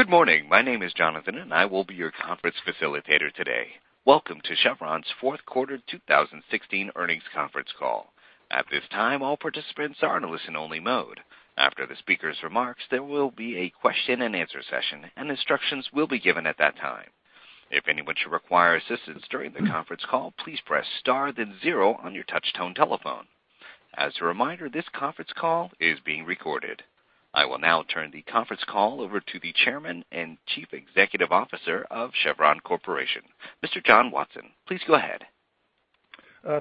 Good morning. My name is Jonathan, I will be your conference facilitator today. Welcome to Chevron's fourth quarter 2016 earnings conference call. At this time, all participants are in listen only mode. After the speaker's remarks, there will be a question and answer session, instructions will be given at that time. If anyone should require assistance during the conference call, please press star then zero on your touchtone telephone. As a reminder, this conference call is being recorded. I will now turn the conference call over to the Chairman and Chief Executive Officer of Chevron Corporation, Mr. John Watson. Please go ahead.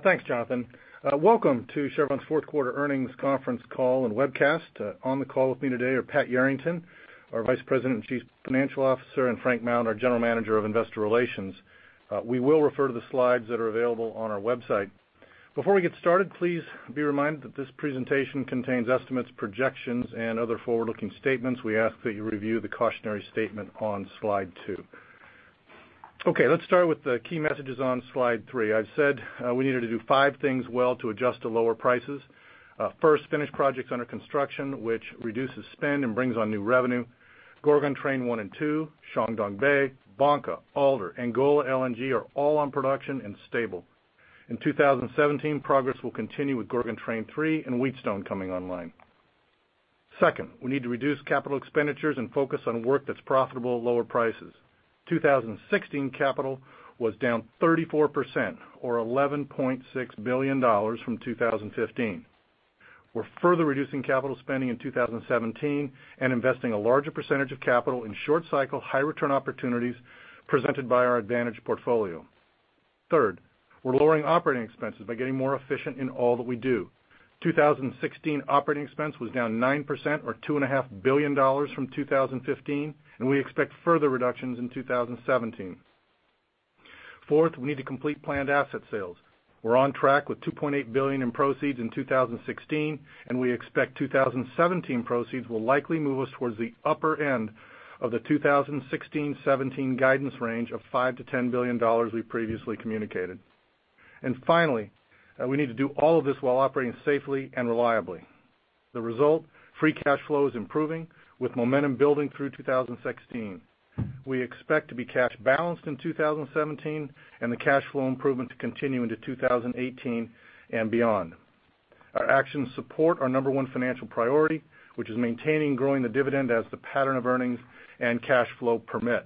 Thanks, Jonathan. Welcome to Chevron's fourth quarter earnings conference call and webcast. On the call with me today are Pat Yarrington, our Vice President and Chief Financial Officer, and Frank Mount, our General Manager of Investor Relations. We will refer to the slides that are available on our website. Before we get started, please be reminded that this presentation contains estimates, projections, and other forward-looking statements. We ask that you review the cautionary statement on slide two. Okay, let's start with the key messages on slide three. I've said we needed to do five things well to adjust to lower prices. First, finish projects under construction, which reduces spend and brings on new revenue. Gorgon Train One and Train Two, Chuandongbei, Bangka, Alder, Angola LNG are all on production and stable. In 2017, progress will continue with Gorgon Train Three and Wheatstone coming online. Second, we need to reduce capital expenditures and focus on work that's profitable at lower prices. 2016 capital was down 34%, or $11.6 billion from 2015. We're further reducing capital spending in 2017 and investing a larger percentage of capital in short cycle, high return opportunities presented by our advantage portfolio. Third, we're lowering operating expenses by getting more efficient in all that we do. 2016 operating expense was down 9%, or $2.5 billion from 2015, we expect further reductions in 2017. Fourth, we need to complete planned asset sales. We're on track with $2.8 billion in proceeds in 2016, we expect 2017 proceeds will likely move us towards the upper end of the 2016-17 guidance range of $5 billion-$10 billion we previously communicated. Finally, we need to do all of this while operating safely and reliably. The result, free cash flow is improving with momentum building through 2016. We expect to be cash balanced in 2017, the cash flow improvement to continue into 2018 and beyond. Our actions support our number one financial priority, which is maintaining and growing the dividend as the pattern of earnings and cash flow permit.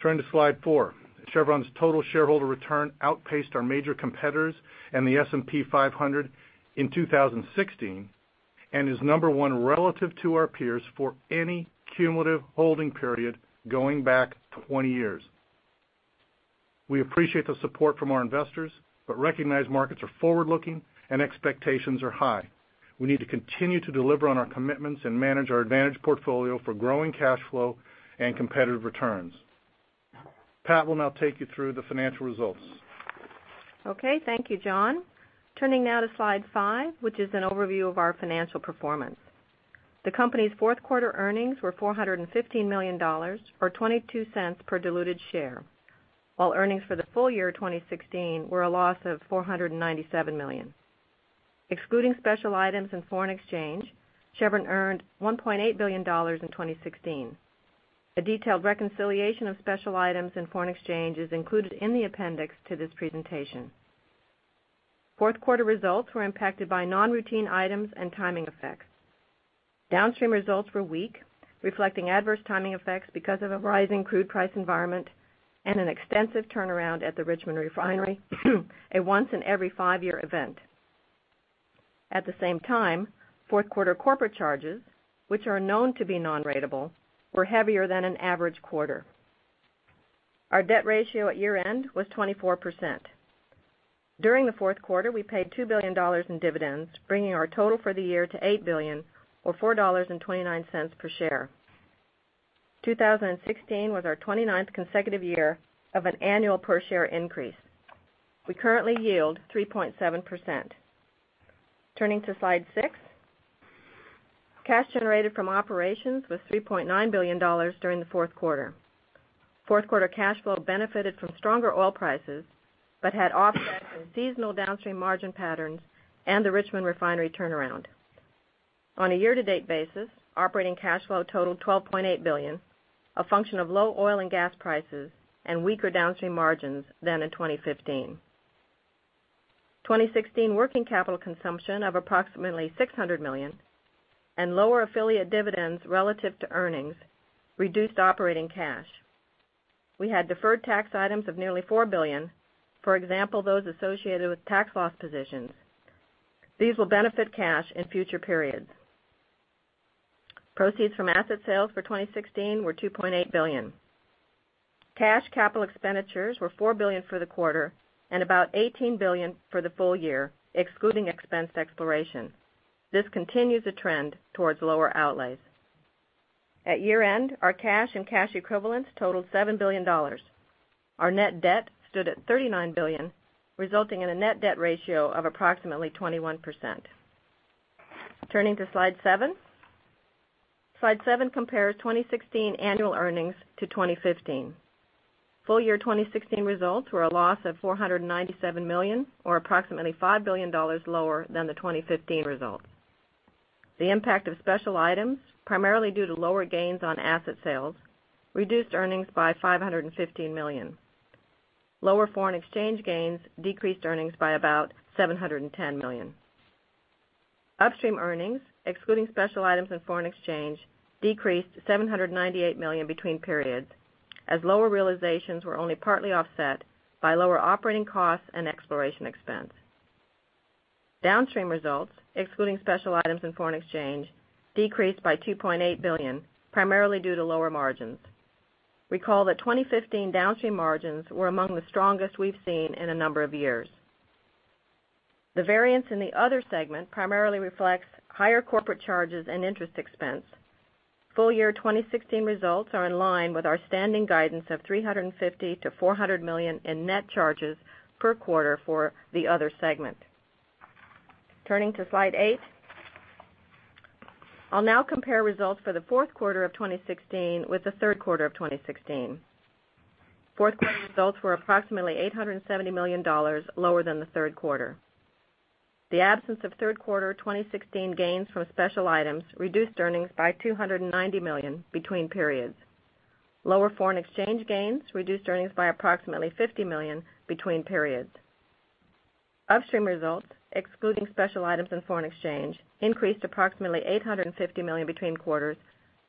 Turning to slide four. Chevron's total shareholder return outpaced our major competitors and the S&P 500 in 2016, is number one relative to our peers for any cumulative holding period going back 20 years. We appreciate the support from our investors, recognize markets are forward-looking and expectations are high. We need to continue to deliver on our commitments and manage our advantage portfolio for growing cash flow and competitive returns. Pat will now take you through the financial results. Okay. Thank you, John. Turning now to slide five, which is an overview of our financial performance. The company's fourth quarter earnings were $415 million, or $0.22 per diluted share. While earnings for the full year 2016 were a loss of $497 million. Excluding special items and foreign exchange, Chevron earned $1.8 billion in 2016. A detailed reconciliation of special items and foreign exchange is included in the appendix to this presentation. Fourth quarter results were impacted by non-routine items and timing effects. Downstream results were weak, reflecting adverse timing effects because of a rising crude price environment and an extensive turnaround at the Richmond Refinery, a once in every five-year event. At the same time, fourth quarter corporate charges, which are known to be non-ratable, were heavier than an average quarter. Our debt ratio at year-end was 24%. During the fourth quarter, we paid $2 billion in dividends, bringing our total for the year to $8 billion or $4.29 per share. 2016 was our 29th consecutive year of an annual per share increase. We currently yield 3.7%. Turning to slide six. Cash generated from operations was $3.9 billion during the fourth quarter. Fourth quarter cash flow benefited from stronger oil prices, but had offsets from seasonal downstream margin patterns and the Richmond Refinery turnaround. On a year-to-date basis, operating cash flow totaled $12.8 billion, a function of low oil and gas prices and weaker downstream margins than in 2015. 2016 working capital consumption of approximately $600 million and lower affiliate dividends relative to earnings reduced operating cash. We had deferred tax items of nearly $4 billion, for example, those associated with tax loss positions. These will benefit cash in future periods. Proceeds from asset sales for 2016 were $2.8 billion. Cash capital expenditures were $4 billion for the quarter and about $18 billion for the full year, excluding expensed exploration. This continues a trend towards lower outlays. At year-end, our cash and cash equivalents totaled $7 billion. Our net debt stood at $39 billion, resulting in a net debt ratio of approximately 21%. Turning to slide seven. Slide seven compares 2016 annual earnings to 2015. Full year 2016 results were a loss of $497 million, or approximately $5 billion lower than the 2015 result. The impact of special items, primarily due to lower gains on asset sales, reduced earnings by $515 million. Lower foreign exchange gains decreased earnings by about $710 million. Upstream earnings, excluding special items and foreign exchange, decreased $798 million between periods, as lower realizations were only partly offset by lower operating costs and exploration expense. Downstream results, excluding special items and foreign exchange, decreased by $2.8 billion, primarily due to lower margins. Recall that 2015 downstream margins were among the strongest we've seen in a number of years. The variance in the other segment primarily reflects higher corporate charges and interest expense. Full year 2016 results are in line with our standing guidance of $350 million-$400 million in net charges per quarter for the other segment. Turning to slide eight. I'll now compare results for the fourth quarter of 2016 with the third quarter of 2016. Fourth quarter results were approximately $870 million lower than the third quarter. The absence of third quarter 2016 gains from special items reduced earnings by $290 million between periods. Lower foreign exchange gains reduced earnings by approximately $50 million between periods. Upstream results, excluding special items and foreign exchange, increased approximately $850 million between quarters,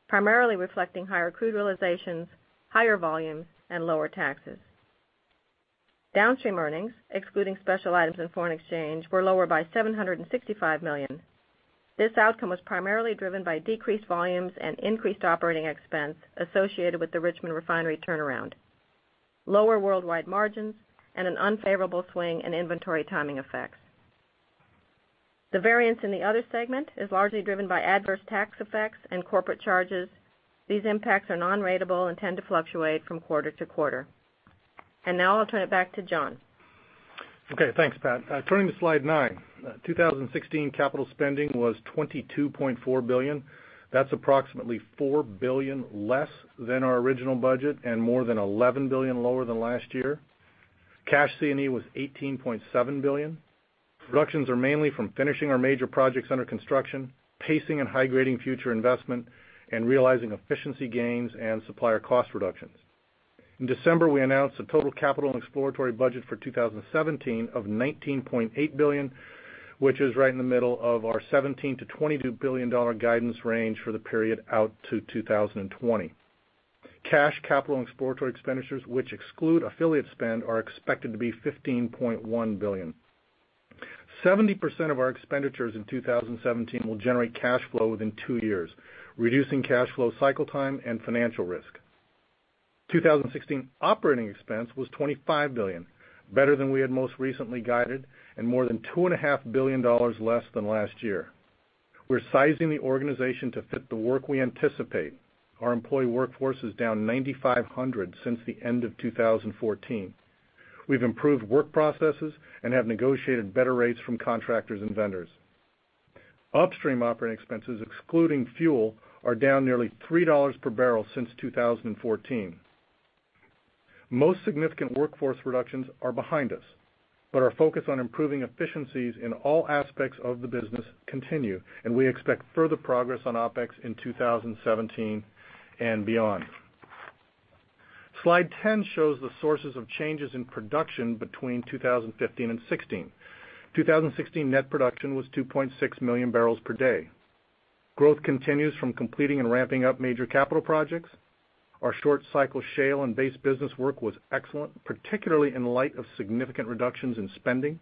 primarily reflecting higher crude realizations, higher volumes, and lower taxes. Downstream earnings, excluding special items and foreign exchange, were lower by $765 million. This outcome was primarily driven by decreased volumes and increased operating expense associated with the Richmond Refinery turnaround, lower worldwide margins, and an unfavorable swing in inventory timing effects. The variance in the other segment is largely driven by adverse tax effects and corporate charges. These impacts are non-ratable and tend to fluctuate from quarter to quarter. Now I'll turn it back to John. Okay. Thanks, Pat. Turning to slide nine. 2016 capital spending was $22.4 billion. That's approximately $4 billion less than our original budget and more than $11 billion lower than last year. Cash C&E was $18.7 billion. Productions are mainly from finishing our major projects under construction, pacing and high-grading future investment, and realizing efficiency gains and supplier cost reductions. In December, we announced a total capital and exploratory budget for 2017 of $19.8 billion, which is right in the middle of our $17 billion-$22 billion guidance range for the period out to 2020. Cash capital and exploratory expenditures, which exclude affiliate spend, are expected to be $15.1 billion. 70% of our expenditures in 2017 will generate cash flow within two years, reducing cash flow cycle time and financial risk. 2016 operating expense was $25 billion, better than we had most recently guided and more than $2.5 billion less than last year. We're sizing the organization to fit the work we anticipate. Our employee workforce is down 9,500 since the end of 2014. We've improved work processes and have negotiated better rates from contractors and vendors. Upstream operating expenses, excluding fuel, are down nearly $3 per barrel since 2014. Most significant workforce reductions are behind us, but our focus on improving efficiencies in all aspects of the business continue, and we expect further progress on OpEx in 2017 and beyond. Slide 10 shows the sources of changes in production between 2015 and 2016. 2016 net production was 2.6 million barrels per day. Growth continues from completing and ramping up major capital projects. Our short cycle shale and base business work was excellent, particularly in light of significant reductions in spending.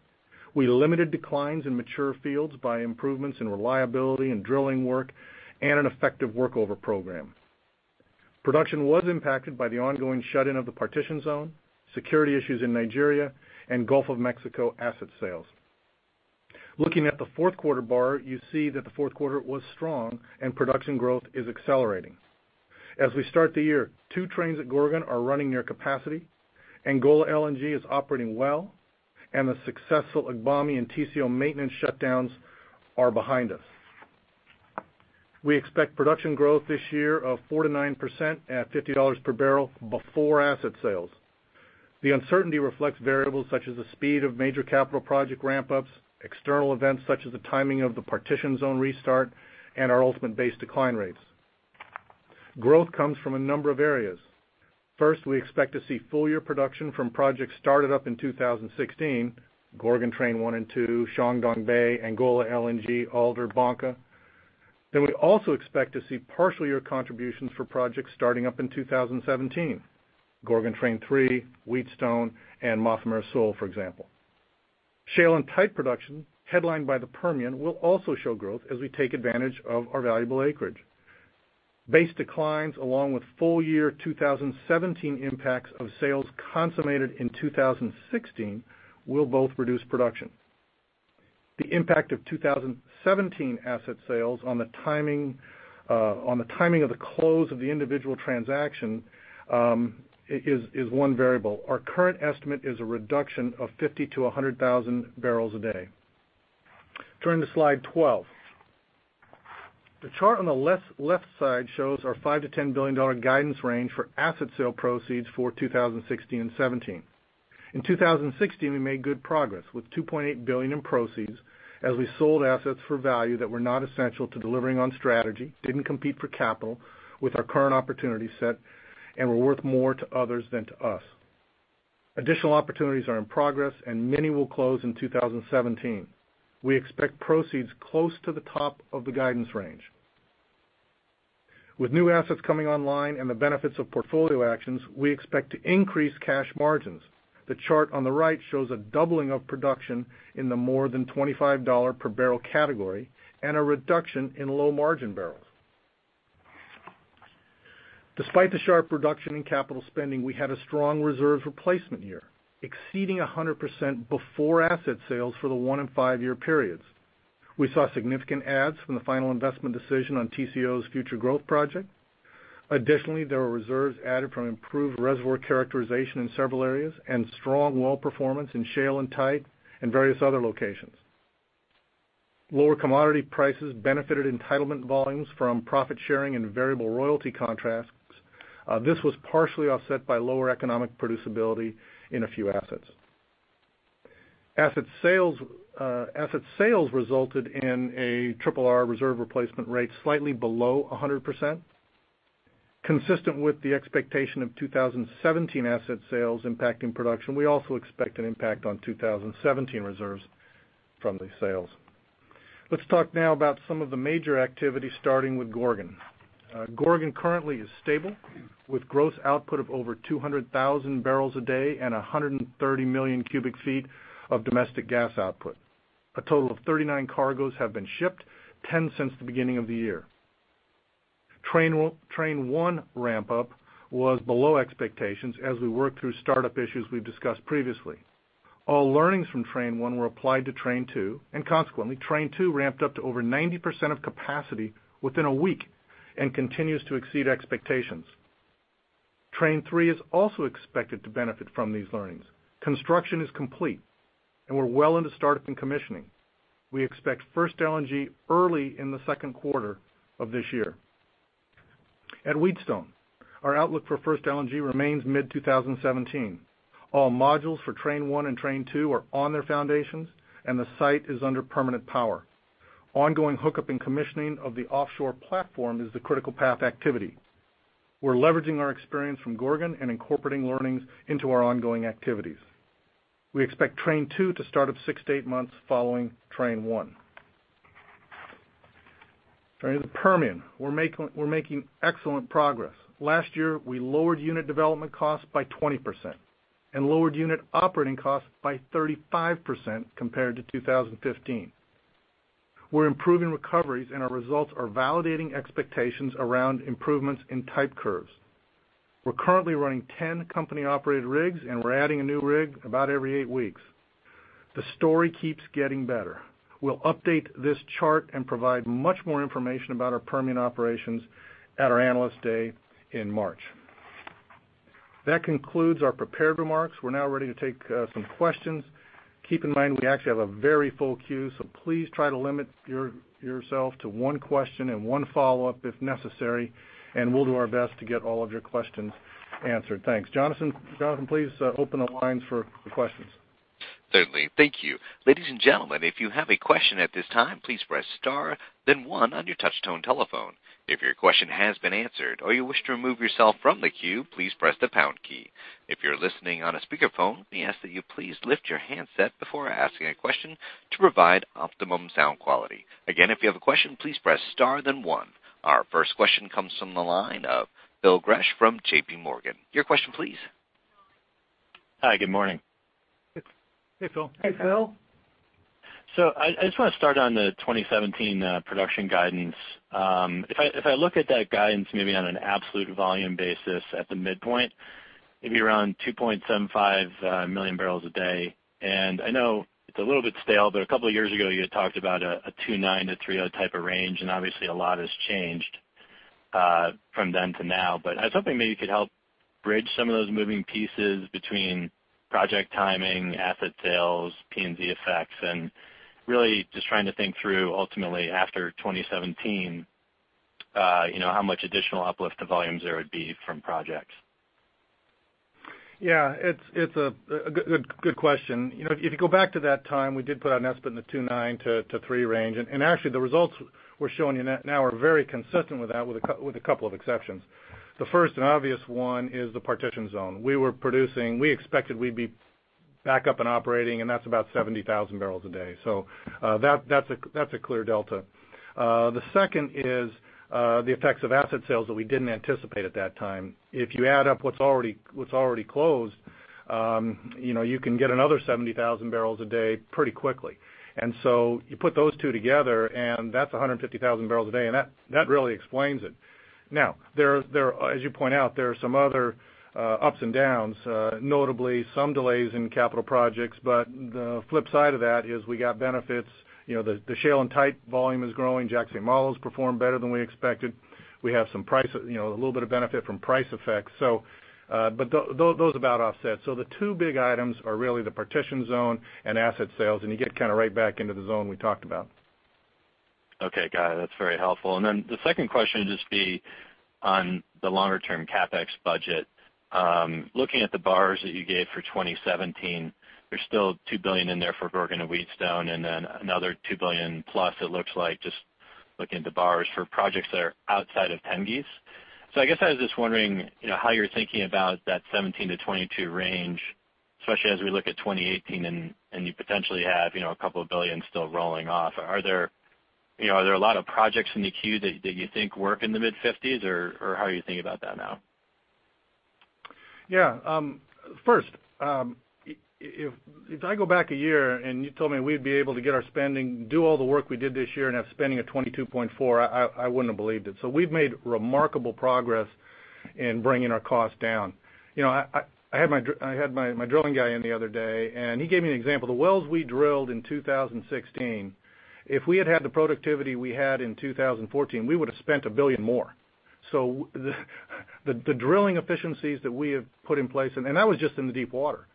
We limited declines in mature fields by improvements in reliability and drilling work and an effective workover program. Production was impacted by the ongoing shut-in of the Partitioned Zone, security issues in Nigeria, and Gulf of Mexico asset sales. Looking at the fourth quarter bar, you see that the fourth quarter was strong and production growth is accelerating. As we start the year, two trains at Gorgon are running near capacity, Angola LNG is operating well, and the successful Agbami and TCO maintenance shutdowns are behind us. We expect production growth this year of 4%-9% at $50 per barrel before asset sales. The uncertainty reflects variables such as the speed of major capital project ramp-ups, external events such as the timing of the Partitioned Zone restart, and our ultimate base decline rates. Growth comes from a number of areas. First, we expect to see full-year production from projects started up in 2016, Gorgon Train 1 and 2, Chuandongbei, Angola LNG, Alder, Bangka. We also expect to see partial year contributions for projects starting up in 2017, Gorgon Train 3, Wheatstone, and Mafumeira Sul, for example. Shale and tight production, headlined by the Permian, will also show growth as we take advantage of our valuable acreage. Base declines, along with full-year 2017 impacts of sales consummated in 2016 will both reduce production. The impact of 2017 asset sales on the timing of the close of the individual transaction is one variable. Our current estimate is a reduction of 50,000-100,000 barrels a day. Turning to slide 12. The chart on the left side shows our $5 billion-$10 billion guidance range for asset sale proceeds for 2016 and 2017. In 2016, we made good progress with $2.8 billion in proceeds as we sold assets for value that were not essential to delivering on strategy, didn't compete for capital with our current opportunity set, and were worth more to others than to us. Additional opportunities are in progress and many will close in 2017. We expect proceeds close to the top of the guidance range. With new assets coming online and the benefits of portfolio actions, we expect to increase cash margins. The chart on the right shows a doubling of production in the more than $25 per barrel category and a reduction in low-margin barrels. Despite the sharp reduction in capital spending, we had a strong reserves replacement year, exceeding 100% before asset sales for the one- and five-year periods. We saw significant adds from the Final Investment Decision on TCO's future growth project. Additionally, there were reserves added from improved reservoir characterization in several areas and strong well performance in shale and tight in various other locations. Lower commodity prices benefited entitlement volumes from profit sharing and variable royalty contracts. This was partially offset by lower economic producibility in a few assets. Asset sales resulted in an RRR reserve replacement rate slightly below 100%. Consistent with the expectation of 2017 asset sales impacting production, we also expect an impact on 2017 reserves from these sales. Let's talk now about some of the major activity starting with Gorgon. Gorgon currently is stable, with gross output of over 200,000 barrels a day and 130 million cubic feet of domestic gas output. A total of 39 cargoes have been shipped, 10 since the beginning of the year. Train 1 ramp-up was below expectations as we worked through startup issues we've discussed previously. All learnings from Train 1 were applied to Train 2, and consequently, Train 2 ramped up to over 90% of capacity within a week and continues to exceed expectations. Train 3 is also expected to benefit from these learnings. Construction is complete, and we're well into startup and commissioning. We expect first LNG early in the second quarter of this year. At Wheatstone, our outlook for first LNG remains mid-2017. All modules for Train 1 and Train 2 are on their foundations, and the site is under permanent power. Ongoing hookup and commissioning of the offshore platform is the critical path activity. We're leveraging our experience from Gorgon and incorporating learnings into our ongoing activities. We expect Train 2 to start up 6-8 months following Train 1. Turning to the Permian, we're making excellent progress. Last year, we lowered unit development costs by 20% and lowered unit operating costs by 35% compared to 2015. We're improving recoveries, and our results are validating expectations around improvements in type curves. We're currently running 10 company-operated rigs, and we're adding a new rig about every eight weeks. The story keeps getting better. We'll update this chart and provide much more information about our Permian operations at our Analyst Day in March. That concludes our prepared remarks. We're now ready to take some questions. Keep in mind we actually have a very full queue, so please try to limit yourself to one question and one follow-up if necessary, and we'll do our best to get all of your questions answered. Thanks. Jonathan, please open the lines for questions. Certainly. Thank you. Ladies and gentlemen, if you have a question at this time, please press star then one on your touch tone telephone. If your question has been answered or you wish to remove yourself from the queue, please press the pound key. If you're listening on a speakerphone, we ask that you please lift your handset before asking a question to provide optimum sound quality. Again, if you have a question, please press star then one. Our first question comes from the line of Phil Gresh from JP Morgan. Your question please. Hi, good morning. Hey, Phil. Hey, Phil. I just want to start on the 2017 production guidance. If I look at that guidance, maybe on an absolute volume basis at the midpoint, maybe around 2.75 million barrels a day, I know it's a little bit stale, but a couple of years ago, you had talked about a 2.9 to 3.0 type of range, obviously a lot has changed from then to now. I was hoping maybe you could help bridge some of those moving pieces between project timing, asset sales, P&D effects, and really just trying to think through ultimately after 2017, how much additional uplift to volumes there would be from projects. Yeah, it's a good question. If you go back to that time, we did put an estimate in the 2.9 to 3 range, actually the results we're showing you now are very consistent with that, with a couple of exceptions. The first and obvious one is the Partitioned Zone. We expected we'd be back up and operating, that's about 70,000 barrels a day. That's a clear delta. The second is the effects of asset sales that we didn't anticipate at that time. If you add up what's already closed, you can get another 70,000 barrels a day pretty quickly. You put those two together, that's 150,000 barrels a day, that really explains it. Now, as you point out, there are some other ups and downs notably some delays in capital projects, the flip side of that is we got benefits. The shale and tight volume is growing. Jack/St. Malo's performed better than we expected. We have a little bit of benefit from price effects. Those about offset. The two big items are really the partition zone and asset sales, you get right back into the zone we talked about. Okay, got it. That's very helpful. The second question would just be on the longer-term CapEx budget. Looking at the bars that you gave for 2017, there's still $2 billion in there for Gorgon and Wheatstone, and then another $2 billion plus it looks like, just looking at the bars for projects that are outside of Tengiz. I guess I was just wondering how you're thinking about that $17-$22 range, especially as we look at 2018 and you potentially have a couple of billion still rolling off. Are there a lot of projects in the queue that you think work in the mid-$50s, or how are you thinking about that now? Yeah. First, if I go back a year and you told me we'd be able to get our spending, do all the work we did this year, and have spending of $22.4, I wouldn't have believed it. We've made remarkable progress in bringing our cost down. I had my drilling guy in the other day, and he gave me an example. The wells we drilled in 2016, if we had had the productivity we had in 2014, we would've spent $1 billion more. The drilling efficiencies that we have put in place, and that was just in the deep water.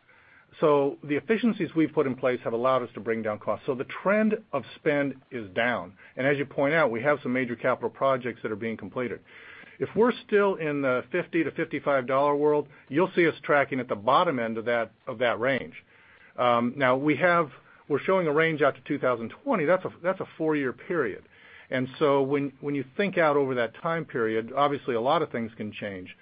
The efficiencies we've put in place have allowed us to bring down costs. The trend of spend is down. As you point out, we have some major capital projects that are being completed. If we're still in the $50-$55 world, you'll see us tracking at the bottom end of that range. We're showing a range out to 2020. That's a four-year period. When you think out over that time period, obviously a lot of things can change.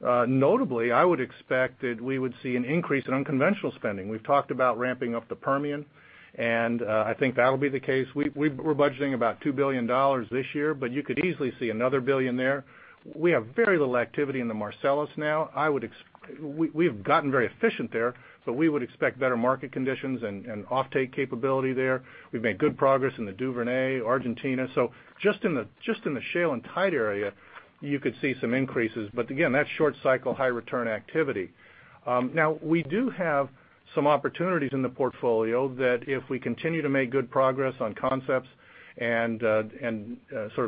Notably, I would expect that we would see an increase in unconventional spending. We've talked about ramping up the Permian, and I think that'll be the case. We're budgeting about $2 billion this year, but you could easily see another $1 billion there. We have very little activity in the Marcellus now. We've gotten very efficient there, we would expect better market conditions and offtake capability there. We've made good progress in the Duvernay, Argentina. Just in the shale and tight area, you could see some increases. Again, that's short cycle, high return activity. We do have some opportunities in the portfolio that if we continue to make good progress on concepts and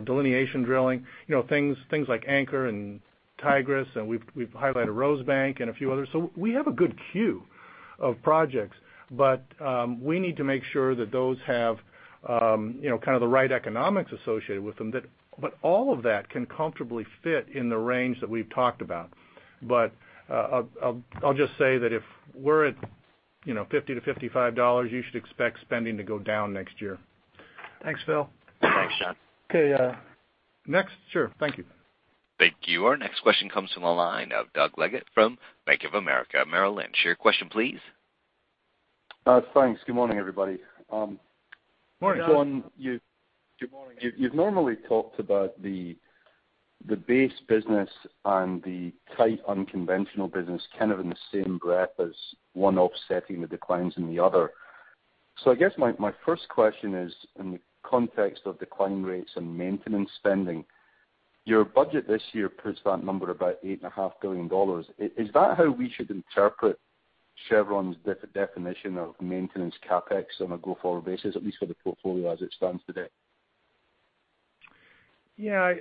delineation drilling, things like Anchor and Tigris, and we've highlighted Rosebank and a few others. We have a good queue of projects, we need to make sure that those have the right economics associated with them. All of that can comfortably fit in the range that we've talked about. I'll just say that if we're at $50-$55, you should expect spending to go down next year. Thanks, Phil. Thanks, John. Okay. Next? Sure. Thank you. Thank you. Our next question comes from the line of Doug Leggate from Bank of America Merrill Lynch. Your question, please. Thanks. Good morning, everybody. Morning, Doug. John, you've normally talked about the base business and the tight unconventional business in the same breath as one offsetting the declines in the other. I guess my first question is in the context of decline rates and maintenance spending, your budget this year puts that number about $8.5 billion. Is that how we should interpret Chevron's definition of maintenance CapEx on a go-forward basis, at least for the portfolio as it stands today? Yeah,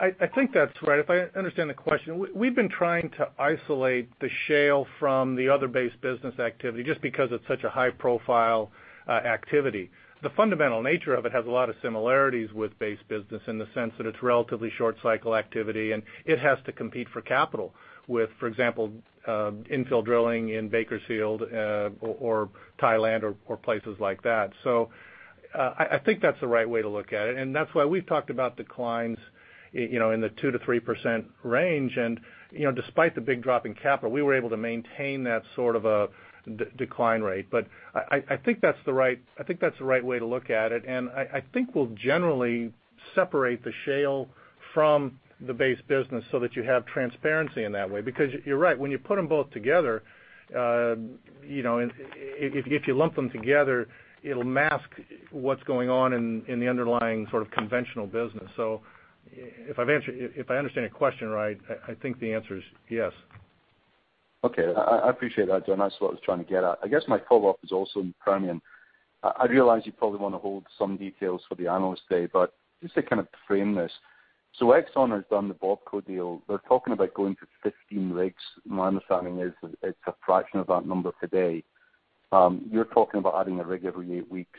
I think that's right. If I understand the question, we've been trying to isolate the shale from the other base business activity just because it's such a high profile activity. The fundamental nature of it has a lot of similarities with base business in the sense that it's relatively short cycle activity, and it has to compete for capital with, for example, infill drilling in Bakersfield or Thailand or places like that. I think that's the right way to look at it, and that's why we've talked about declines in the 2%-3% range, and despite the big drop in capital, we were able to maintain that sort of a decline rate. I think that's the right way to look at it, and I think we'll generally separate the shale from the base business so that you have transparency in that way. You're right, when you put them both together, if you lump them together, it'll mask what's going on in the underlying conventional business. If I understand your question right, I think the answer is yes. Okay. I appreciate that, John. That's what I was trying to get at. I guess my follow-up is also in Permian. I realize you probably want to hold some details for the Analyst Day, but just to frame this, Exxon has done the BOPCO deal. They're talking about going to 15 rigs. My understanding is it's a fraction of that number today. You're talking about adding a rig every eight weeks,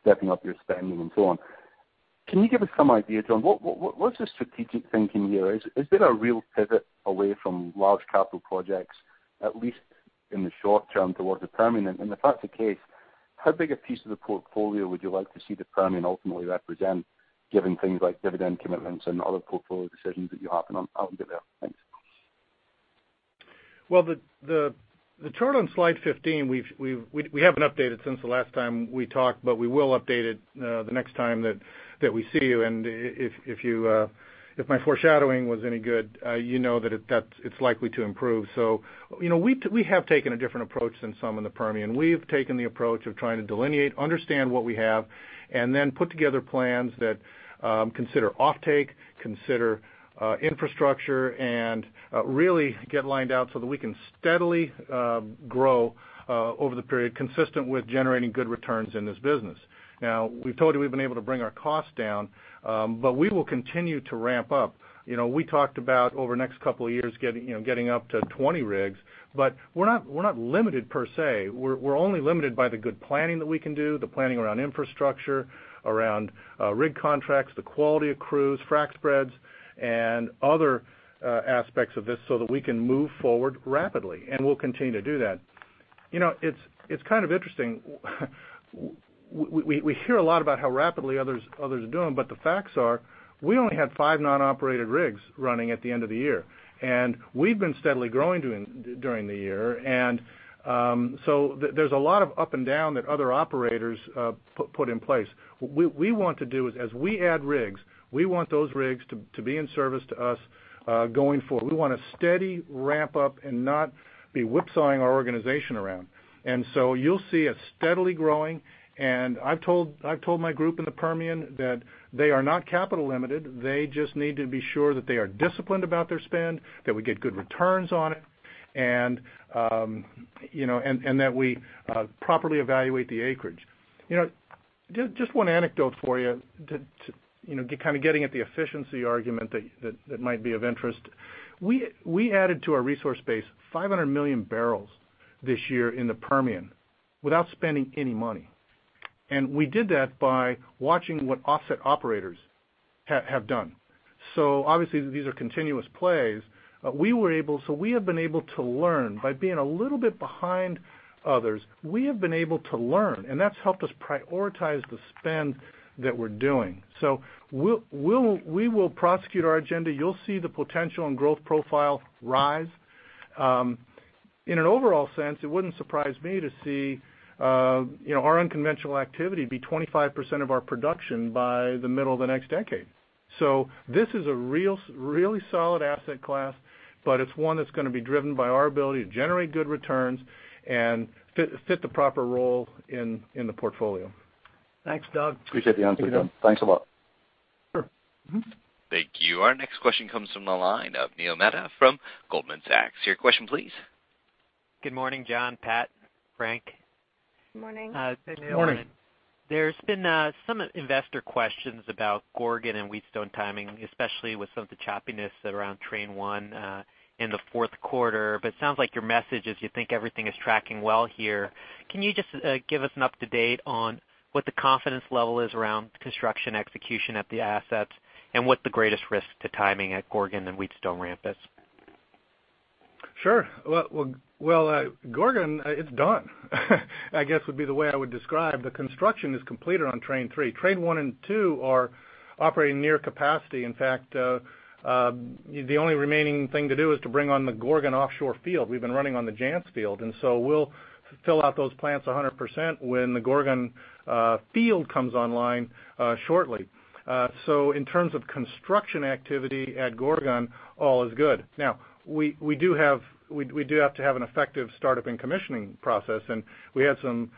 stepping up your spending and so on. Can you give us some idea, John? What's the strategic thinking here? Has there been a real pivot away from large capital projects, at least in the short term, towards the Permian? If that's the case, how big a piece of the portfolio would you like to see the Permian ultimately represent given things like dividend commitments and other portfolio decisions that you have out there? Thanks. Well, the chart on slide 15, we haven't updated since the last time we talked, but we will update it the next time that we see you. If my foreshadowing was any good, you know that it's likely to improve. We have taken a different approach than some in the Permian. We've taken the approach of trying to delineate, understand what we have, and then put together plans that consider offtake, consider infrastructure, and really get lined out so that we can steadily grow over the period consistent with generating good returns in this business. Now, we've told you we've been able to bring our cost down, but we will continue to ramp up. We talked about over the next couple of years getting up to 20 rigs, but we're not limited per se. We're only limited by the good planning that we can do, the planning around infrastructure, around rig contracts, the quality of crews, frac spreads, and other aspects of this so that we can move forward rapidly, and we'll continue to do that. It's kind of interesting. We hear a lot about how rapidly others are doing, but the facts are we only had five non-operated rigs running at the end of the year, and we've been steadily growing during the year. There's a lot of up and down that other operators put in place. What we want to do is as we add rigs, we want those rigs to be in service to us going forward. We want a steady ramp-up and not be whipsawing our organization around. You'll see us steadily growing, and I've told my group in the Permian that they are not capital limited. They just need to be sure that they are disciplined about their spend, that we get good returns on it, and that we properly evaluate the acreage. Just one anecdote for you to getting at the efficiency argument that might be of interest. We added to our resource base 500 million barrels this year in the Permian without spending any money. We did that by watching what offset operators have done. Obviously these are continuous plays. We have been able to learn by being a little bit behind others. We have been able to learn, and that's helped us prioritize the spend that we're doing. We will prosecute our agenda. You'll see the potential and growth profile rise. In an overall sense, it wouldn't surprise me to see our unconventional activity be 25% of our production by the middle of the next decade. This is a really solid asset class, but it's one that's going to be driven by our ability to generate good returns and fit the proper role in the portfolio. Thanks, Doug. Appreciate the answer, John. Thanks a lot. Sure. Mm-hmm. Thank you. Our next question comes from the line of Neil Mehta from Goldman Sachs. Your question, please. Good morning, John, Pat, Frank. Good morning. Good morning. There's been some investor questions about Gorgon and Wheatstone timing, especially with some of the choppiness around Train 1 in the fourth quarter, but it sounds like your message is you think everything is tracking well here. Can you just give us an up-to-date on what the confidence level is around construction execution at the assets and what the greatest risk to timing at Gorgon and Wheatstone ramp is? Sure. Well, Gorgon, it's done, I guess would be the way I would describe. The construction is completed on Train 3. Train one and two are operating near capacity. In fact, the only remaining thing to do is to bring on the Gorgon offshore field. We've been running on the Jansz field, and so we'll fill out those plants 100% when the Gorgon field comes online shortly. In terms of construction activity at Gorgon, all is good. We do have to have an effective startup and commissioning process, and we had some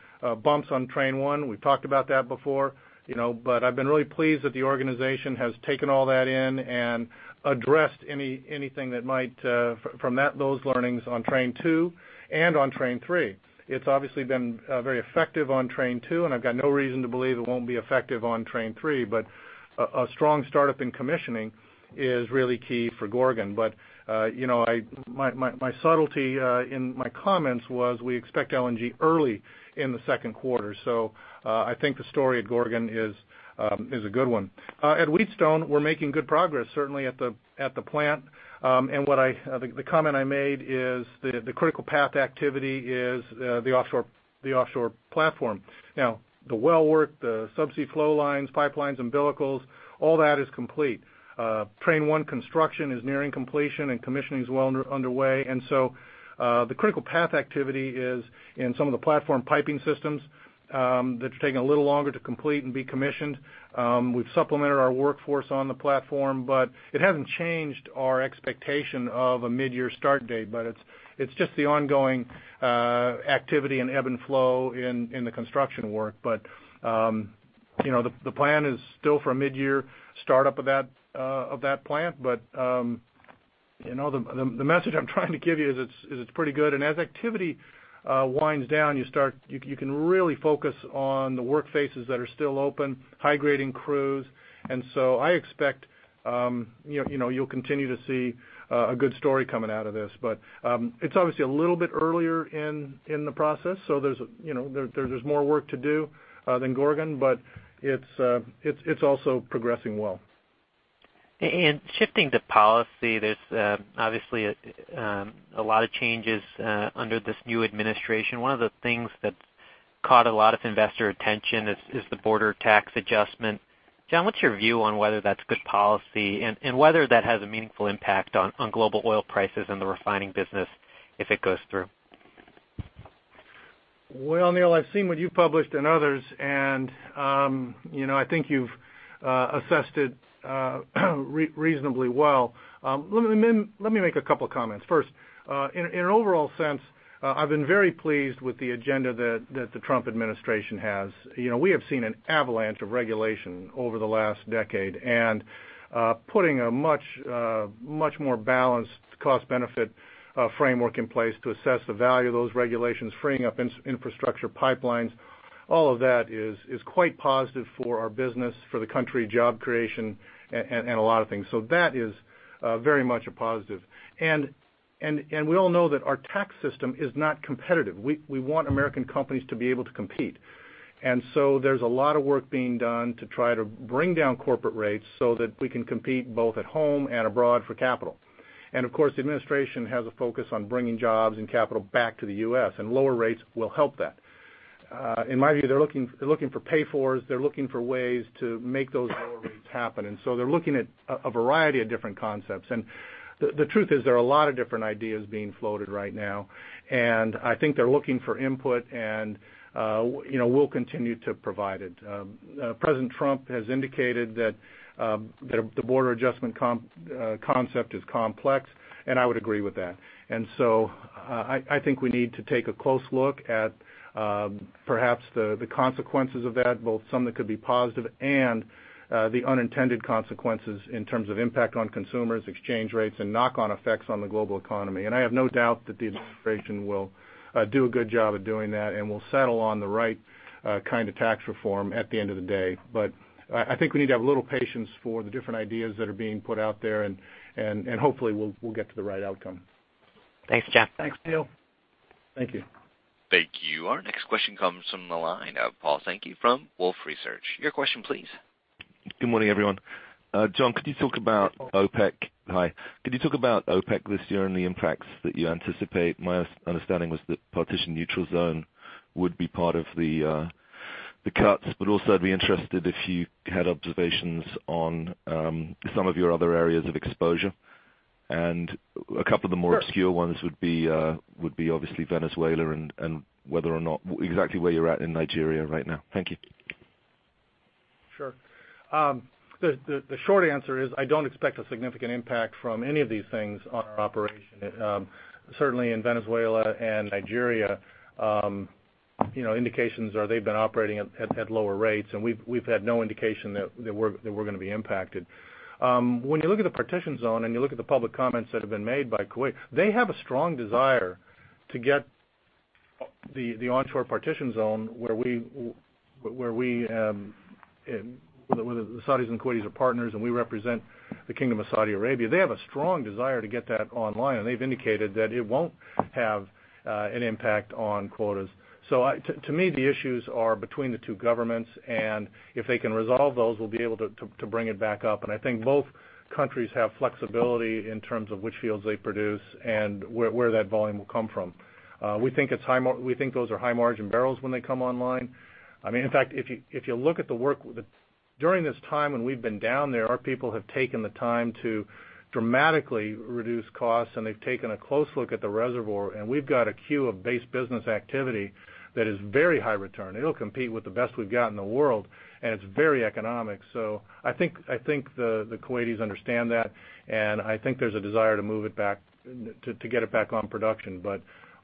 bumps on train one. We've talked about that before. I've been really pleased that the organization has taken all that in and addressed anything that might from those learnings on Train 2 and on Train 3. It's obviously been very effective on train two, and I've got no reason to believe it won't be effective on train three, but a strong startup in commissioning is really key for Gorgon. My subtlety in my comments was we expect LNG early in the second quarter, so I think the story at Gorgon is a good one. At Wheatstone, we're making good progress, certainly at the plant. The comment I made is that the critical path activity is the offshore platform. The well work, the subsea flow lines, pipelines, umbilicals, all that is complete. Train one construction is nearing completion and commissioning is well underway, and so the critical path activity is in some of the platform piping systems that are taking a little longer to complete and be commissioned. We've supplemented our workforce on the platform, but it hasn't changed our expectation of a midyear start date. It's just the ongoing activity and ebb and flow in the construction work. The plan is still for a midyear startup of that plant. The message I'm trying to give you is it's pretty good. As activity winds down, you can really focus on the work phases that are still open, high-grading crews, and so I expect you'll continue to see a good story coming out of this. It's obviously a little bit earlier in the process, so there's more work to do than Gorgon, but it's also progressing well. Shifting to policy, there's obviously a lot of changes under this new administration. One of the things that's caught a lot of investor attention is the border tax adjustment. John, what's your view on whether that's good policy and whether that has a meaningful impact on global oil prices and the refining business if it goes through? Well, Neil, I've seen what you've published and others, and I think you've assessed it reasonably well. Let me make a couple comments. First, in an overall sense, I've been very pleased with the agenda that the Trump administration has. We have seen an avalanche of regulation over the last decade and putting a much more balanced cost-benefit framework in place to assess the value of those regulations, freeing up infrastructure pipelines, all of that is quite positive for our business, for the country, job creation, and a lot of things. That is very much a positive. We all know that our tax system is not competitive. We want American companies to be able to compete. There's a lot of work being done to try to bring down corporate rates so that we can compete both at home and abroad for capital. Of course, the administration has a focus on bringing jobs and capital back to the U.S., and lower rates will help that. In my view, they're looking for pay-fors. They're looking for ways to make those lower rates happen. They're looking at a variety of different concepts. The truth is, there are a lot of different ideas being floated right now, and I think they're looking for input and we'll continue to provide it. President Trump has indicated that the border adjustment concept is complex, and I would agree with that. I think we need to take a close look at perhaps the consequences of that, both some that could be positive and the unintended consequences in terms of impact on consumers, exchange rates, and knock-on effects on the global economy. I have no doubt that the administration will do a good job at doing that and will settle on the right kind of tax reform at the end of the day. I think we need to have a little patience for the different ideas that are being put out there, and hopefully, we'll get to the right outcome. Thanks, John. Thanks, Neil. Thank you. Thank you. Our next question comes from the line of Paul Sankey from Wolfe Research. Your question, please. Good morning, everyone. John, could you talk about OPEC? Hi. Could you talk about OPEC this year and the impacts that you anticipate? My understanding was that Partitioned Neutral Zone would be part of the cuts, but also I'd be interested if you had observations on some of your other areas of exposure. A couple of the more obscure ones would be obviously Venezuela and whether or not exactly where you're at in Nigeria right now. Thank you. Sure. The short answer is I don't expect a significant impact from any of these things on our operation. Certainly in Venezuela and Nigeria, indications are they've been operating at lower rates, and we've had no indication that we're going to be impacted. When you look at the Partitioned Zone and you look at the public comments that have been made by Kuwait, they have a strong desire to get the onshore Partitioned Zone where the Saudis and Kuwaitis are partners, and we represent the Kingdom of Saudi Arabia. They have a strong desire to get that online, and they've indicated that it won't have an impact on quotas. To me, the issues are between the two governments, and if they can resolve those, we'll be able to bring it back up. I think both countries have flexibility in terms of which fields they produce and where that volume will come from. We think those are high-margin barrels when they come online. In fact, if you look at the work, during this time when we've been down there, our people have taken the time to dramatically reduce costs, and they've taken a close look at the reservoir, and we've got a queue of base business activity that is very high return. It'll compete with the best we've got in the world, and it's very economic. I think the Kuwaitis understand that, and I think there's a desire to get it back on production.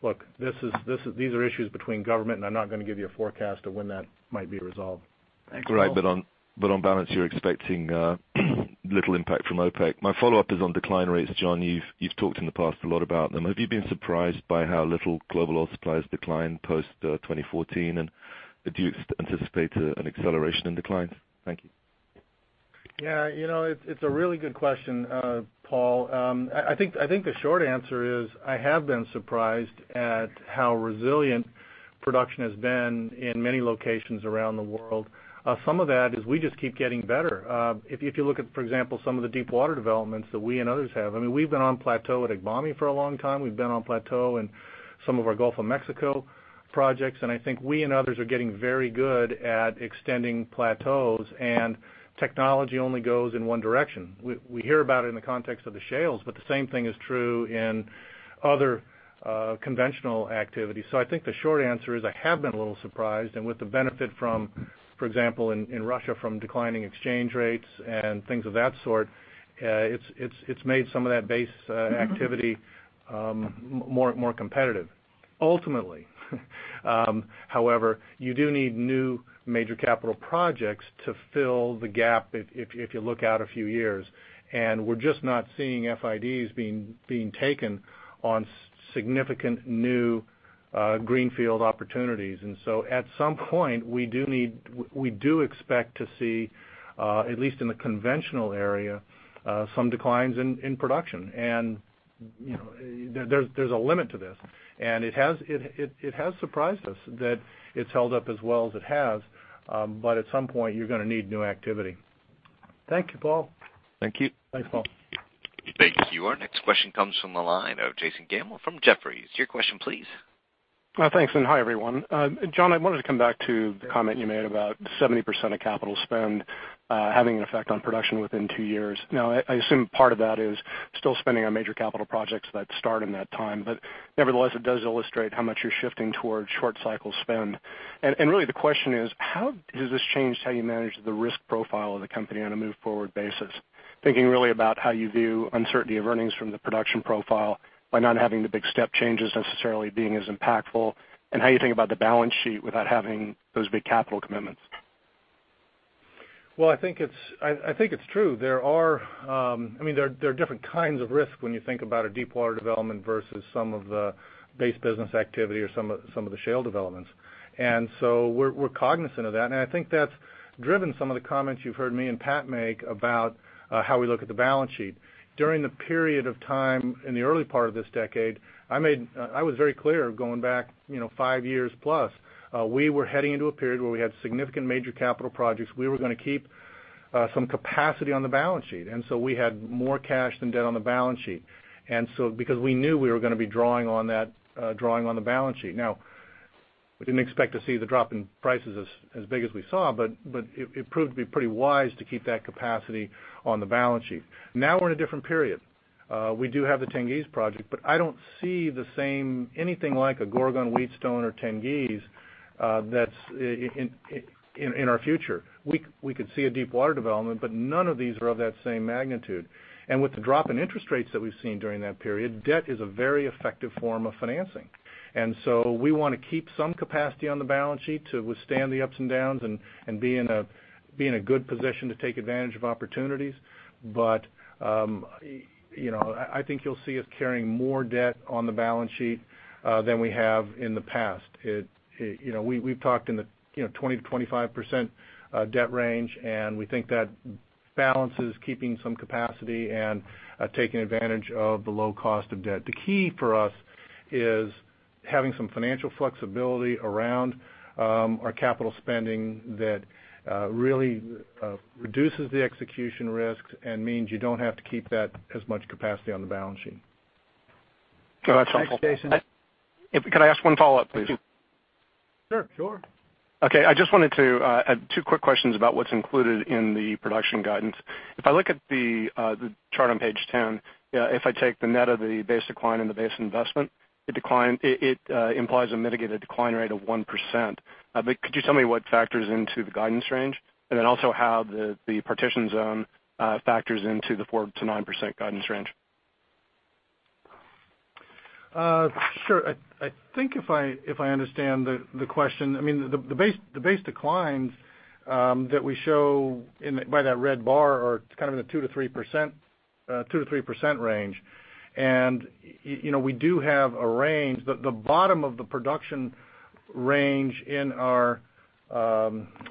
Look, these are issues between government, and I'm not going to give you a forecast of when that might be resolved. On balance, you're expecting little impact from OPEC. My follow-up is on decline rates, John. You've talked in the past a lot about them. Have you been surprised by how little global oil supply has declined post-2014, and do you anticipate an acceleration in decline? Thank you. It's a really good question, Paul. I think the short answer is I have been surprised at how resilient production has been in many locations around the world. Some of that is we just keep getting better. If you look at, for example, some of the deep water developments that we and others have, we've been on plateau at Agbami for a long time. We've been on plateau in some of our Gulf of Mexico projects, and I think we and others are getting very good at extending plateaus, and technology only goes in one direction. We hear about it in the context of the shales, but the same thing is true in other conventional activities. I think the short answer is I have been a little surprised, and with the benefit from, for example, in Russia, from declining exchange rates and things of that sort, it's made some of that base activity more competitive. Ultimately, however, you do need new major capital projects to fill the gap if you look out a few years, and we're just not seeing FIDs being taken on significant new greenfield opportunities. At some point, we do expect to see, at least in the conventional area, some declines in production. There's a limit to this, and it has surprised us that it's held up as well as it has. At some point, you're going to need new activity. Thank you, Paul. Thank you. Thanks, Paul. Thank you. Our next question comes from the line of Jason Gammel from Jefferies. Your question, please. Thanks, and hi, everyone. John, I wanted to come back to the comment you made about 70% of capital spend having an effect on production within two years. I assume part of that is still spending on major capital projects that start in that time. Nevertheless, it does illustrate how much you're shifting towards short cycle spend. Really the question is, how has this changed how you manage the risk profile of the company on a move forward basis? Thinking really about how you view uncertainty of earnings from the production profile by not having the big step changes necessarily being as impactful, and how you think about the balance sheet without having those big capital commitments. Well, I think it's true. There are different kinds of risk when you think about a deep water development versus some of the base business activity or some of the shale developments. So we're cognizant of that, and I think that's driven some of the comments you've heard me and Pat make about how we look at the balance sheet. During the period of time in the early part of this decade, I was very clear going back five years plus. We were going to keep some capacity on the balance sheet. So we had more cash than debt on the balance sheet. So because we knew we were going to be drawing on the balance sheet. We didn't expect to see the drop in prices as big as we saw, but it proved to be pretty wise to keep that capacity on the balance sheet. Now we're in a different period. We do have the Tengiz project, but I don't see anything like a Gorgon, Wheatstone or Tengiz that's in our future. We could see a deepwater development, but none of these are of that same magnitude. With the drop in interest rates that we've seen during that period, debt is a very effective form of financing. We want to keep some capacity on the balance sheet to withstand the ups and downs and be in a good position to take advantage of opportunities. I think you'll see us carrying more debt on the balance sheet than we have in the past. We've talked in the 20%-25% debt range, we think that balance is keeping some capacity and taking advantage of the low cost of debt. The key for us is having some financial flexibility around our capital spending that really reduces the execution risks and means you don't have to keep that as much capacity on the balance sheet. That's helpful. Thanks, Jason. Can I ask one follow-up, please? Sure. Two quick questions about what's included in the production guidance. If I look at the chart on page 10, if I take the net of the base decline and the base investment, it implies a mitigated decline rate of 1%. Could you tell me what factors into the guidance range? Also how the partition zone factors into the 4%-9% guidance range? Sure. I think if I understand the question, the base declines that we show by that red bar are kind of in the 2%-3% range. We do have a range. The bottom of the production range in our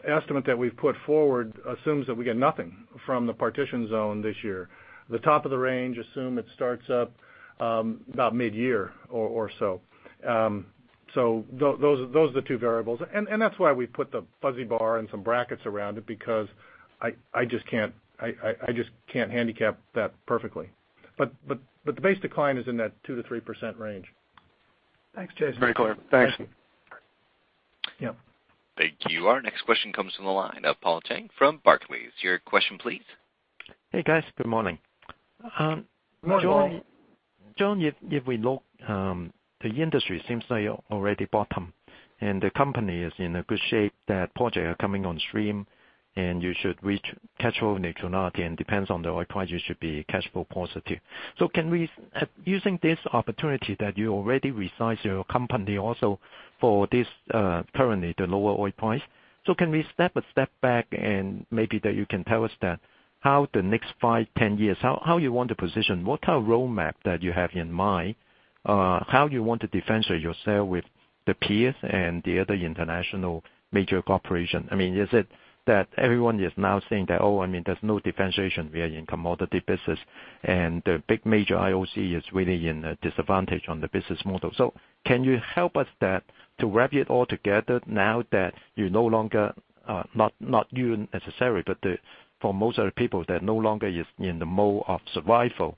estimate that we've put forward assumes that we get nothing from the partition zone this year. The top of the range assume it starts up about mid-year or so. Those are the two variables. That's why we put the fuzzy bar and some brackets around it, because I just can't handicap that perfectly. The base decline is in that 2%-3% range. Thanks, Jason. Very clear. Thanks. Yeah. Thank you. Our next question comes from the line of Paul Cheng from Barclays. Your question, please. Hey, guys. Good morning. Good morning. John, if we look, the industry seems like already bottom, and the company is in a good shape that project are coming on stream, and you should reach cash flow neutrality, and depends on the oil price, you should be cash flow positive. Using this opportunity that you already resized your company also for this currently the lower oil price. Can we step a step back and maybe that you can tell us that how the next 5, 10 years, how you want to position? What roadmap that you have in mind? How you want to differentiate yourself with the peers and the other international major corporation? Is it that everyone is now saying that, oh, there's no differentiation? We are in commodity business, and the big major IOC is really in a disadvantage on the business model. Can you help us that to wrap it all together now that you're no longer, not you necessary, but for most of the people that no longer is in the mode of survival.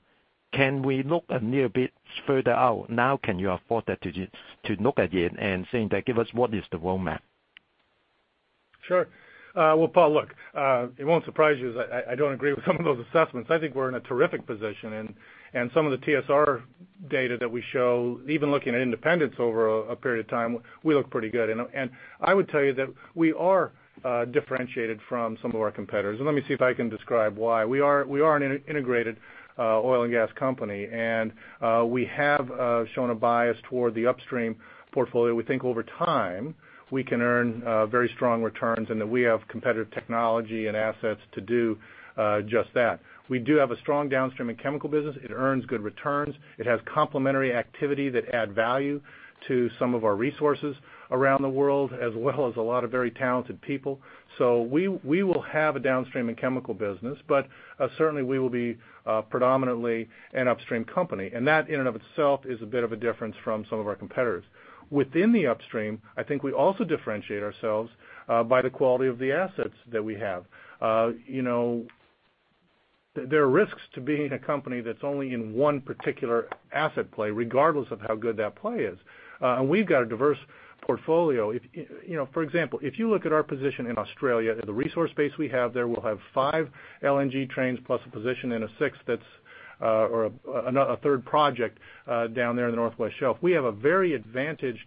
Can we look a bit further out? Can you afford to look at it and saying that give us what is the roadmap? Sure. Well, Paul, look, it won't surprise you, is I don't agree with some of those assessments. I think we're in a terrific position. Some of the TSR data that we show, even looking at independents over a period of time, we look pretty good. I would tell you that we are differentiated from some of our competitors, and let me see if I can describe why. We are an integrated oil and gas company, and we have shown a bias toward the upstream portfolio. We think over time we can earn very strong returns and that we have competitive technology and assets to do just that. We do have a strong downstream and chemical business. It earns good returns. It has complementary activity that add value to some of our resources around the world, as well as a lot of very talented people. We will have a downstream and chemical business, certainly we will be predominantly an upstream company, and that in and of itself is a bit of a difference from some of our competitors. Within the upstream, I think we also differentiate ourselves by the quality of the assets that we have. There are risks to being a company that's only in one particular asset play, regardless of how good that play is. We've got a diverse portfolio. For example, if you look at our position in Australia and the resource base we have there, we'll have five LNG trains plus a position and a third project down there in the Northwest Shelf. We have a very advantaged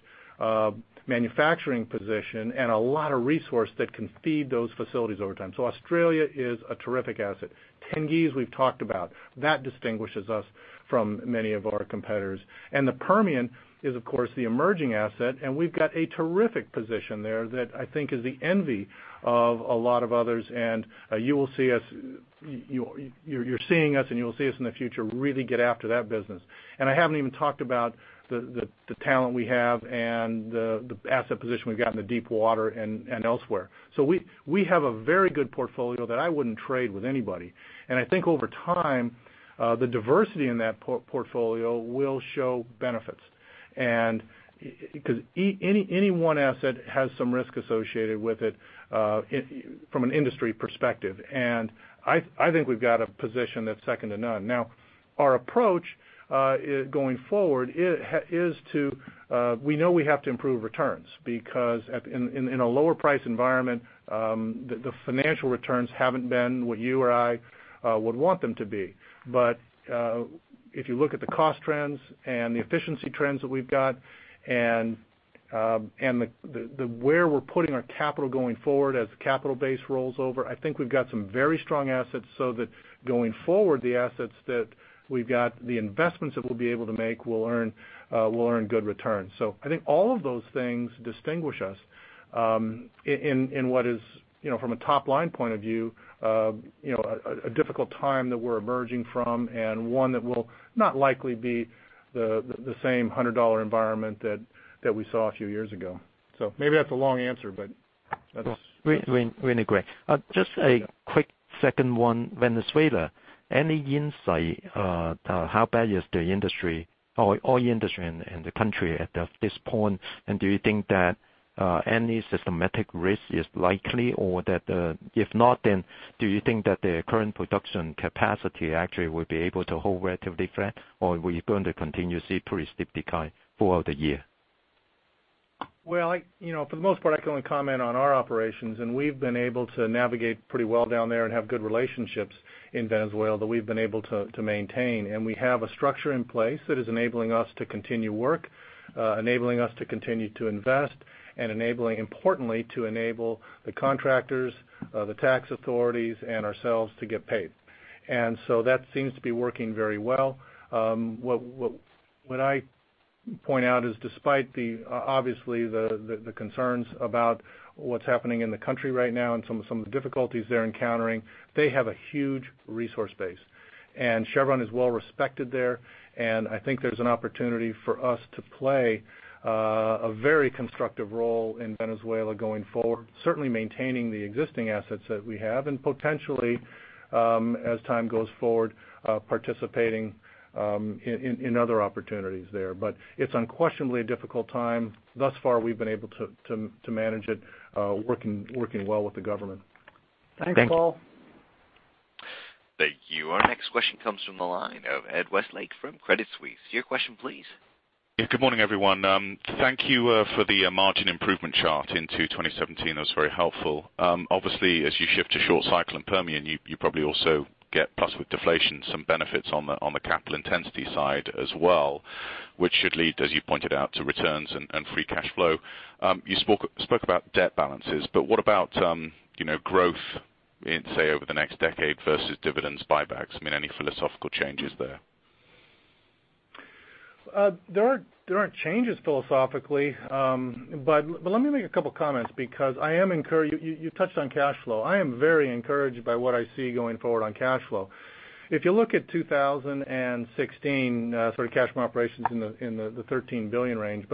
manufacturing position and a lot of resource that can feed those facilities over time. Australia is a terrific asset. Tengiz we've talked about. That distinguishes us from many of our competitors. The Permian is, of course, the emerging asset, we've got a terrific position there that I think is the envy of a lot of others, you're seeing us, and you will see us in the future really get after that business. I haven't even talked about the talent we have and the asset position we've got in the deepwater and elsewhere. We have a very good portfolio that I wouldn't trade with anybody. I think over time, the diversity in that portfolio will show benefits. Any one asset has some risk associated with it from an industry perspective, and I think we've got a position that's second to none. Our approach going forward is. We know we have to improve returns because in a lower price environment the financial returns haven't been what you or I would want them to be. If you look at the cost trends and the efficiency trends that we've got and where we're putting our capital going forward as the capital base rolls over, I think we've got some very strong assets so that going forward, the assets that we've got, the investments that we'll be able to make will earn good returns. I think all of those things distinguish us in what is from a top-line point of view, a difficult time that we're emerging from, and one that will not likely be the same $100 environment that we saw a few years ago. Maybe that's a long answer, but that's. Really great. Just a quick second one. Venezuela. Any insight how bad is the industry or oil industry in the country at this point? Do you think that any systematic risk is likely? If not, do you think that the current production capacity actually will be able to hold relatively flat, or are we going to continue to see pretty steep decline throughout the year? Well, for the most part, I can only comment on our operations. We've been able to navigate pretty well down there and have good relationships in Venezuela that we've been able to maintain. We have a structure in place that is enabling us to continue work, enabling us to continue to invest, and importantly to enable the contractors, the tax authorities, and ourselves to get paid. So that seems to be working very well. What I point out is despite obviously the concerns about what's happening in the country right now and some of the difficulties they're encountering, they have a huge resource base. Chevron is well respected there, and I think there's an opportunity for us to play a very constructive role in Venezuela going forward. Certainly maintaining the existing assets that we have and potentially, as time goes forward participating in other opportunities there. It's unquestionably a difficult time. Thus far, we've been able to manage it working well with the government. Thanks. Thanks, Paul. Thank you. Our next question comes from the line of Ed Westlake from Credit Suisse. Your question please. Yeah. Good morning, everyone. Thank you for the margin improvement chart into 2017. That was very helpful. Obviously, as you shift to short cycle in Permian, you probably also get, plus with deflation, some benefits on the capital intensity side as well, which should lead, as you pointed out, to returns and free cash flow. What about growth in, say, over the next decade versus dividends buybacks? Any philosophical changes there? There aren't changes philosophically. Let me make a couple comments because you touched on cash flow. I am very encouraged by what I see going forward on cash flow. If you look at 2016 sort of cash from operations in the $13 billion range,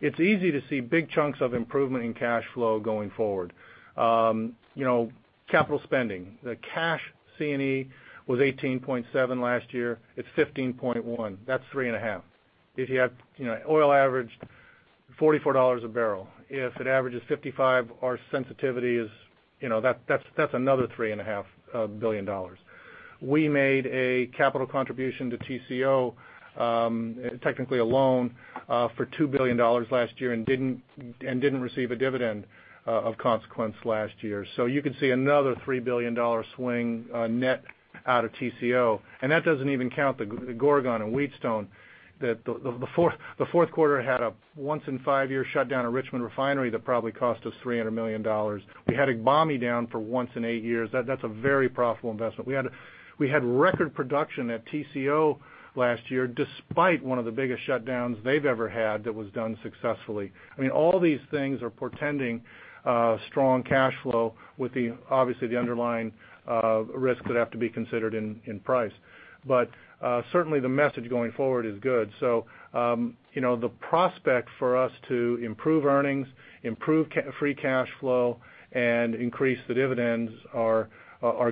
it's easy to see big chunks of improvement in cash flow going forward. Capital spending, the cash C&E was $18.7 last year. It's $15.1. That's $3.5 billion. If you have oil averaged $44 a barrel. If it averages $55, our sensitivity is that's another $3.5 billion. We made a capital contribution to TCO, technically a loan for $2 billion last year and didn't receive a dividend of consequence last year. You could see another $3 billion swing net out of TCO. That doesn't even count the Gorgon and Wheatstone that the fourth quarter had a once in 5-year shutdown of Richmond Refinery that probably cost us $300 million. We had Agbami down for once in 8 years. That's a very profitable investment. We had record production at TCO last year, despite one of the biggest shutdowns they've ever had that was done successfully. All these things are portending strong cash flow with obviously the underlying risks that have to be considered in price. Certainly the message going forward is good. The prospect for us to improve earnings, improve free cash flow, and increase the dividends are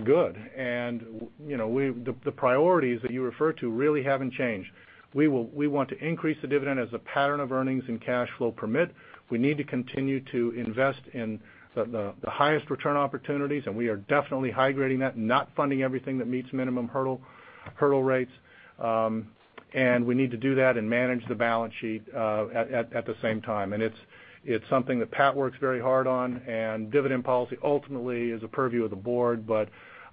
good. The priorities that you refer to really haven't changed. We want to increase the dividend as the pattern of earnings and cash flow permit. We need to continue to invest in the highest return opportunities, we are definitely high-grading that, not funding everything that meets minimum hurdle rates. We need to do that and manage the balance sheet at the same time. It's something that Pat works very hard on, dividend policy ultimately is a purview of the board,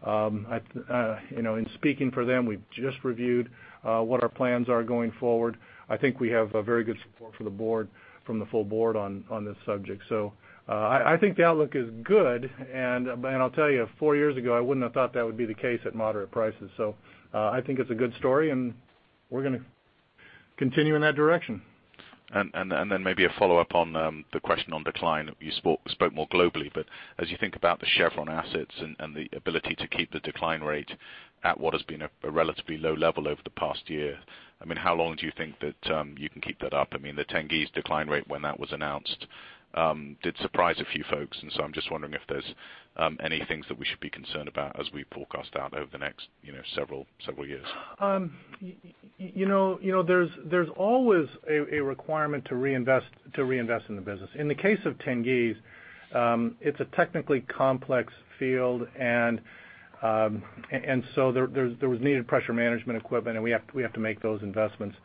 in speaking for them, we've just reviewed what our plans are going forward. I think we have a very good support from the full board on this subject. I think the outlook is good, and I'll tell you, 4 years ago, I wouldn't have thought that would be the case at moderate prices. I think it's a good story, and we're going to continue in that direction. Maybe a follow-up on the question on decline. You spoke more globally, but as you think about the Chevron assets and the ability to keep the decline rate at what has been a relatively low level over the past year, how long do you think that you can keep that up? The Tengiz decline rate when that was announced did surprise a few folks, so I'm just wondering if there's any things that we should be concerned about as we forecast out over the next several years. There's always a requirement to reinvest in the business. In the case of Tengiz, it's a technically complex field, so there was needed pressure management equipment, and we have to make those investments.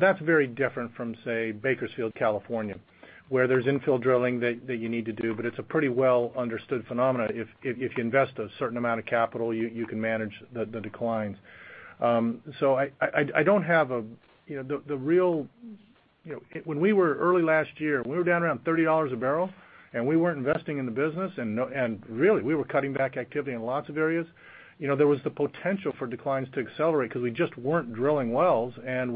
That's very different from, say, Bakersfield, California, where there's infill drilling that you need to do, but it's a pretty well understood phenomena. If you invest a certain amount of capital, you can manage the declines. When we were early last year, we were down around $30 a barrel, we weren't investing in the business, really, we were cutting back activity in lots of areas. There was the potential for declines to accelerate because we just weren't drilling wells, and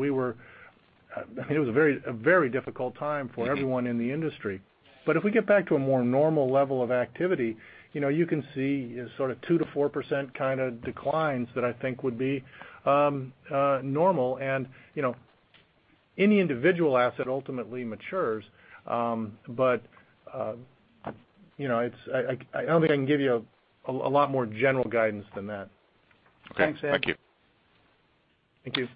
it was a very difficult time for everyone in the industry. If we get back to a more normal level of activity, you can see sort of 2%-4% kind of declines that I think would be normal. Any individual asset ultimately matures. I don't think I can give you a lot more general guidance than that. Thanks, Dan. Thank you. Thank you.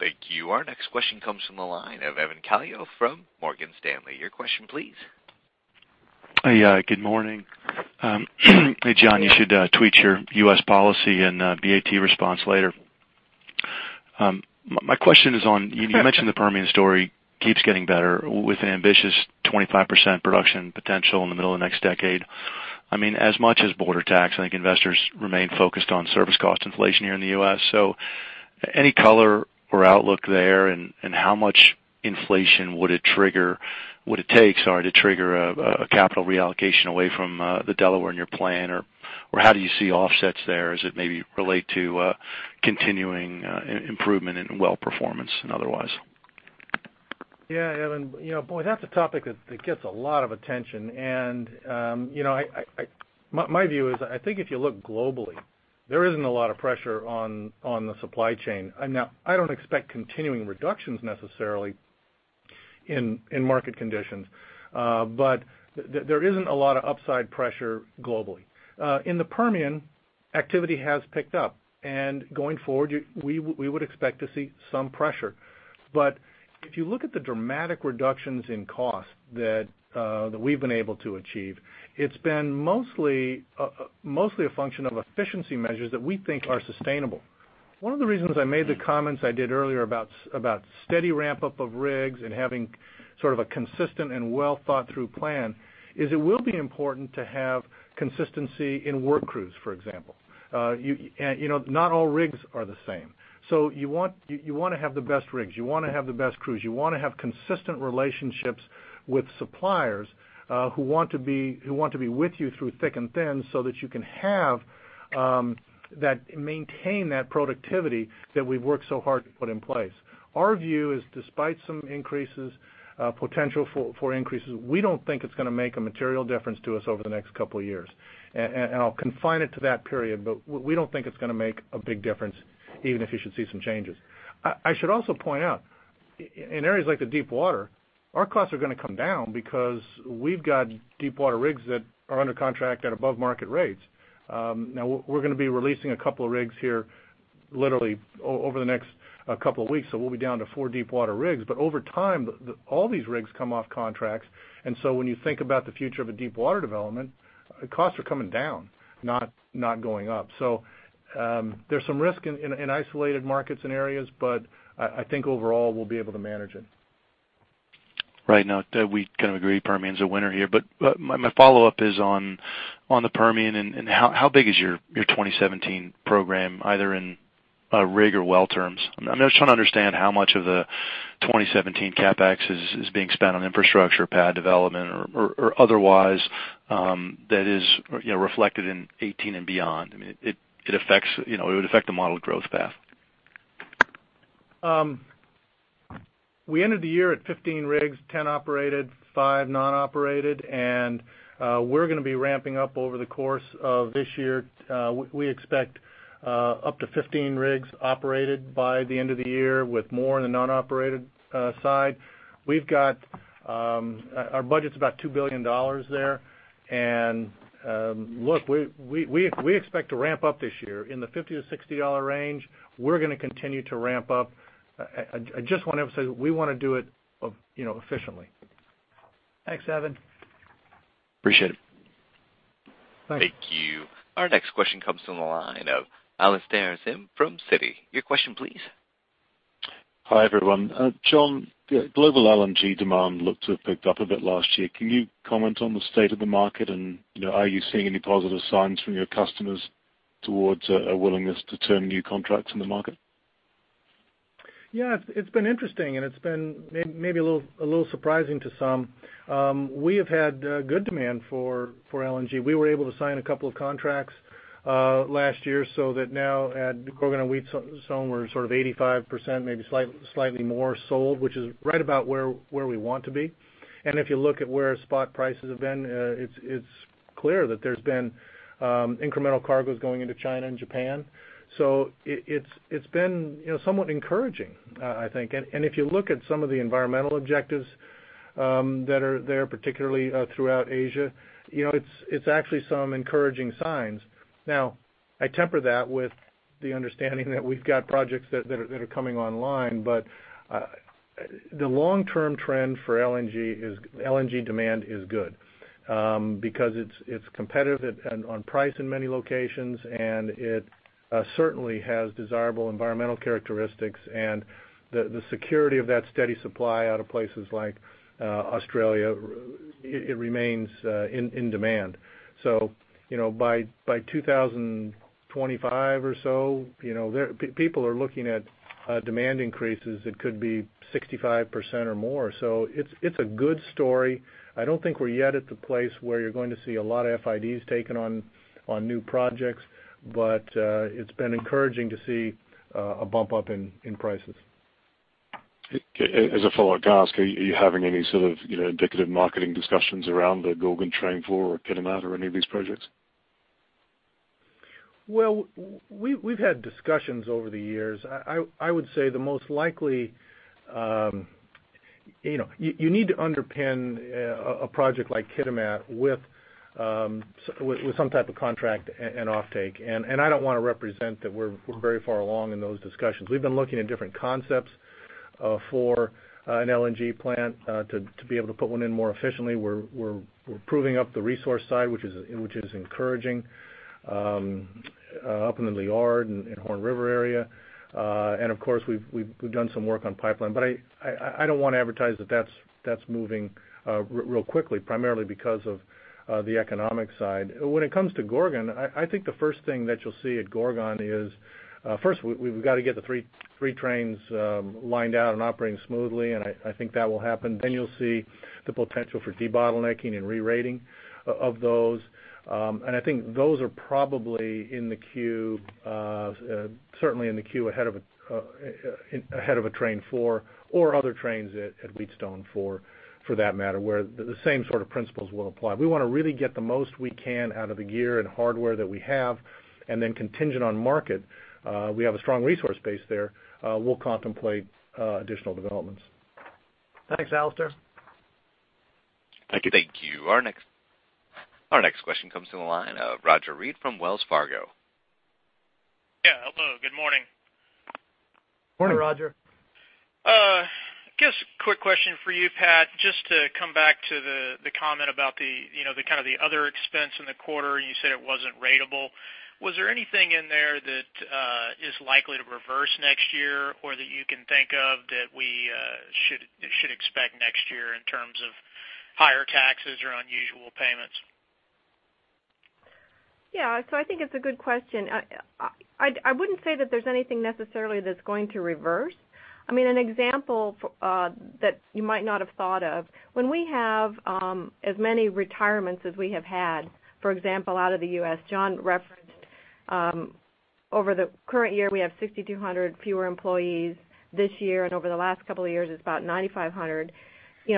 Thank you. Our next question comes from the line of Evan Calio from Morgan Stanley. Your question, please. Hi. Good morning. Hey, John, you should tweet your U.S. policy and BAT response later. My question is, you mentioned the Permian story keeps getting better with an ambitious 25% production potential in the middle of the next decade. As much as border tax, I think investors remain focused on service cost inflation here in the U.S. Any color or outlook there, and how much inflation would it take, sorry, to trigger a capital reallocation away from the Delaware in your plan? Or how do you see offsets there as it maybe relate to continuing improvement in well performance and otherwise? Yeah, Evan. My view is, I think if you look globally, there isn't a lot of pressure on the supply chain. Now, I don't expect continuing reductions necessarily in market conditions. There isn't a lot of upside pressure globally. In the Permian, activity has picked up, and going forward, we would expect to see some pressure. If you look at the dramatic reductions in cost that we've been able to achieve, it's been mostly a function of efficiency measures that we think are sustainable. One of the reasons I made the comments I did earlier about steady ramp-up of rigs and having sort of a consistent and well-thought-through plan is it will be important to have consistency in work crews, for example. Not all rigs are the same. You want to have the best rigs. You want to have the best crews. You want to have consistent relationships with suppliers who want to be with you through thick and thin so that you can maintain that productivity that we've worked so hard to put in place. Our view is despite some potential for increases, we don't think it's going to make a material difference to us over the next couple of years. I'll confine it to that period, but we don't think it's going to make a big difference even if you should see some changes. I should also point out, in areas like the deep water, our costs are going to come down because we've got deep water rigs that are under contract at above-market rates. Now, we're going to be releasing a couple of rigs here literally over the next couple of weeks, so we'll be down to four deep water rigs. Over time, all these rigs come off contracts. When you think about the future of a deep water development, costs are coming down, not going up. There's some risk in isolated markets and areas, but I think overall we'll be able to manage it. Right. Now, we kind of agree Permian's a winner here, but my follow-up is on the Permian, how big is your 2017 program, either in rig or well terms? I'm just trying to understand how much of the 2017 CapEx is being spent on infrastructure, pad development, or otherwise that is reflected in '18 and beyond. It would affect the model growth path. We ended the year at 15 rigs, 10 operated, five non-operated, and we're going to be ramping up over the course of this year. We expect up to 15 rigs operated by the end of the year, with more in the non-operated side. Our budget's about $2 billion there. Look, we expect to ramp up this year in the $50-$60 range. We're going to continue to ramp up. I just want to emphasize we want to do it efficiently. Thanks, Evan. Appreciate it. Thanks. Thank you. Our next question comes from the line of Alastair Syme from Citi. Your question, please. Hi, everyone. John, global LNG demand looked to have picked up a bit last year. Can you comment on the state of the market? Are you seeing any positive signs from your customers towards a willingness to term new contracts in the market? Yeah, it's been interesting, and it's been maybe a little surprising to some. We have had good demand for LNG. We were able to sign a couple of contracts last year so that now at Gorgon and Wheatstone, we're sort of 85%, maybe slightly more sold, which is right about where we want to be. If you look at where spot prices have been, it's clear that there's been incremental cargoes going into China and Japan. It's been somewhat encouraging, I think. If you look at some of the environmental objectives that are there, particularly throughout Asia, it's actually some encouraging signs. I temper that with the understanding that we've got projects that are coming online. The long-term trend for LNG demand is good because it's competitive on price in many locations, and it certainly has desirable environmental characteristics, and the security of that steady supply out of places like Australia, it remains in demand. By 2025 or so, people are looking at demand increases. It could be 65% or more. It's a good story. I don't think we're yet at the place where you're going to see a lot of FIDs taken on new projects, but it's been encouraging to see a bump up in prices. As a follow-up, can I ask, are you having any sort of indicative marketing discussions around the Gorgon train 4 or Kitimat or any of these projects? We've had discussions over the years. You need to underpin a project like Kitimat with some type of contract and offtake, and I don't want to represent that we're very far along in those discussions. We've been looking at different concepts for an LNG plant to be able to put one in more efficiently. We're proving up the resource side, which is encouraging, up in the Liard and Horn River area. Of course, we've done some work on pipeline. I don't want to advertise that that's moving real quickly, primarily because of the economic side. When it comes to Gorgon, I think the first thing that you'll see at Gorgon is, first, we've got to get the three trains lined out and operating smoothly, and I think that will happen. You'll see the potential for debottlenecking and re-rating of those. I think those are probably, certainly in the queue ahead of a train 4 or other trains at Wheatstone for that matter, where the same sort of principles will apply. We want to really get the most we can out of the gear and hardware that we have, and then contingent on market, we have a strong resource base there. We'll contemplate additional developments. Thanks, Alastair. Thank you. Our next question comes to the line of Roger Read from Wells Fargo. Yeah, hello. Good morning. Morning, Roger. Just a quick question for you, Pat, just to come back to the comment about the kind of the other expense in the quarter, you said it wasn't ratable. Was there anything in there that is likely to reverse next year or that you can think of that we should expect next year in terms of higher taxes or unusual payments? Yeah. I think it's a good question. I wouldn't say that there's anything necessarily that's going to reverse. I mean, an example that you might not have thought of, when we have as many retirements as we have had, for example, out of the U.S., John referenced over the current year, we have 6,200 fewer employees this year, over the last couple of years, it's about 9,500.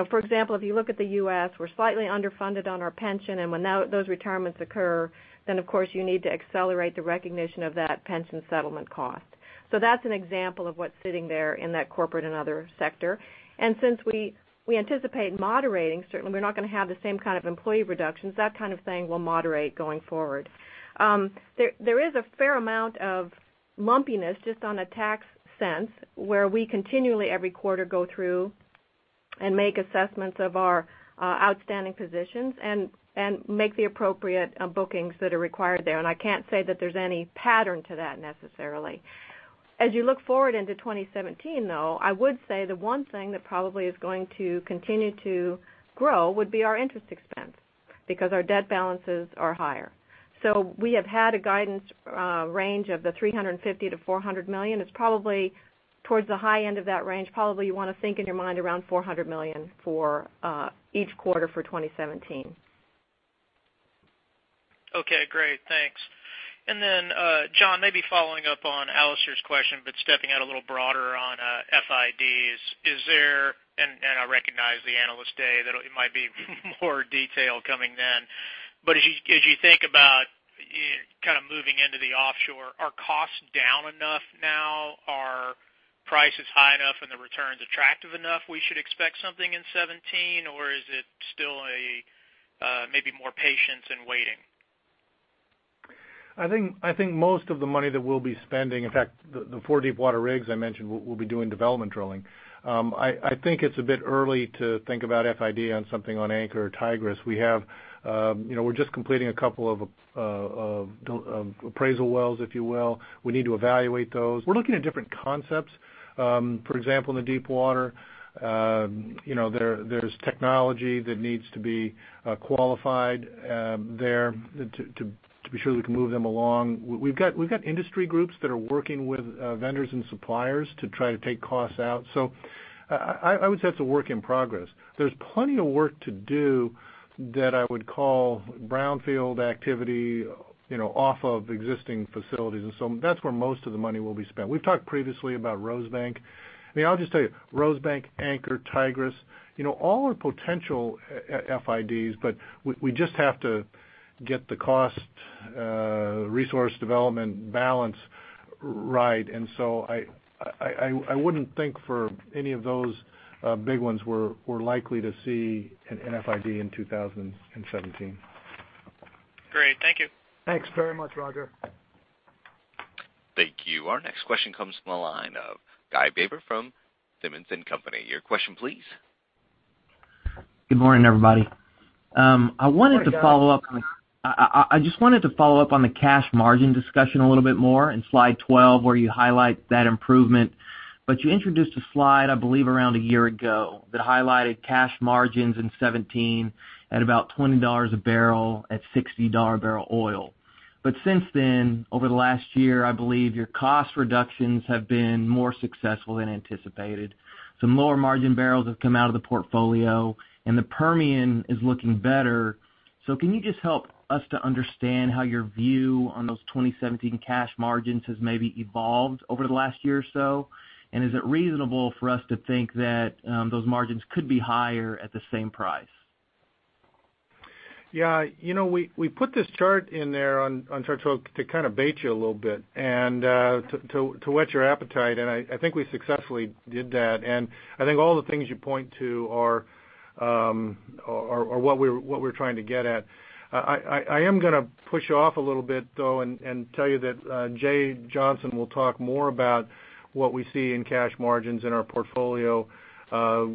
For example, if you look at the U.S., we're slightly underfunded on our pension, when those retirements occur, of course, you need to accelerate the recognition of that pension settlement cost. That's an example of what's sitting there in that corporate and other sector. Since we anticipate moderating, certainly we're not going to have the same kind of employee reductions, that kind of thing will moderate going forward. There is a fair amount of lumpiness just on a tax sense, where we continually every quarter go through and make assessments of our outstanding positions and make the appropriate bookings that are required there. I can't say that there's any pattern to that necessarily. As you look forward into 2017, though, I would say the one thing that probably is going to continue to grow would be our interest expense, because our debt balances are higher. We have had a guidance range of the $350 million-$400 million. It's probably towards the high end of that range. Probably you want to think in your mind around $400 million for each quarter for 2017. Okay, great. Thanks. John, maybe following up on Alastair's question, but stepping out a little broader on FIDs. I recognize the Analyst Day, that it might be more detail coming then, as you think about kind of moving into the offshore, are costs down enough now? Are prices high enough and the returns attractive enough we should expect something in 2017? Or is it still a maybe more patience and waiting? I think most of the money that we'll be spending, in fact, the four deepwater rigs I mentioned will be doing development drilling. I think it's a bit early to think about FID on something on Anchor or Tigris. We're just completing a couple of appraisal wells, if you will. We need to evaluate those. We're looking at different concepts. For example, in the deepwater, there's technology that needs to be qualified there to be sure we can move them along. We've got industry groups that are working with vendors and suppliers to try to take costs out. I would say it's a work in progress. There's plenty of work to do that I would call brownfield activity off of existing facilities, that's where most of the money will be spent. We've talked previously about Rosebank. I mean, I'll just tell you, Rosebank, Anchor, Tigris, all are potential FIDs, we just have to get the cost resource development balance right. I wouldn't think for any of those big ones we're likely to see an FID in 2017. Great. Thank you. Thanks very much, Roger. Thank you. Our next question comes from the line of Guy Baber from Simmons & Company. Your question, please. Good morning, everybody. Good morning, Guy. I just wanted to follow up on the cash margin discussion a little bit more in slide 12 where you highlight that improvement. You introduced a slide, I believe, around a year ago that highlighted cash margins in 2017 at about $20 a barrel at $60 a barrel oil. Since then, over the last year, I believe your cost reductions have been more successful than anticipated. Some lower margin barrels have come out of the portfolio, and the Permian is looking better. Can you just help us to understand how your view on those 2017 cash margins has maybe evolved over the last year or so? Is it reasonable for us to think that those margins could be higher at the same price? We put this chart in there on chart twelve to kind of bait you a little bit and to whet your appetite, I think we successfully did that. I think all the things you point to are what we're trying to get at. I am going to push off a little bit, though, and tell you that Jay Johnson will talk more about what we see in cash margins in our portfolio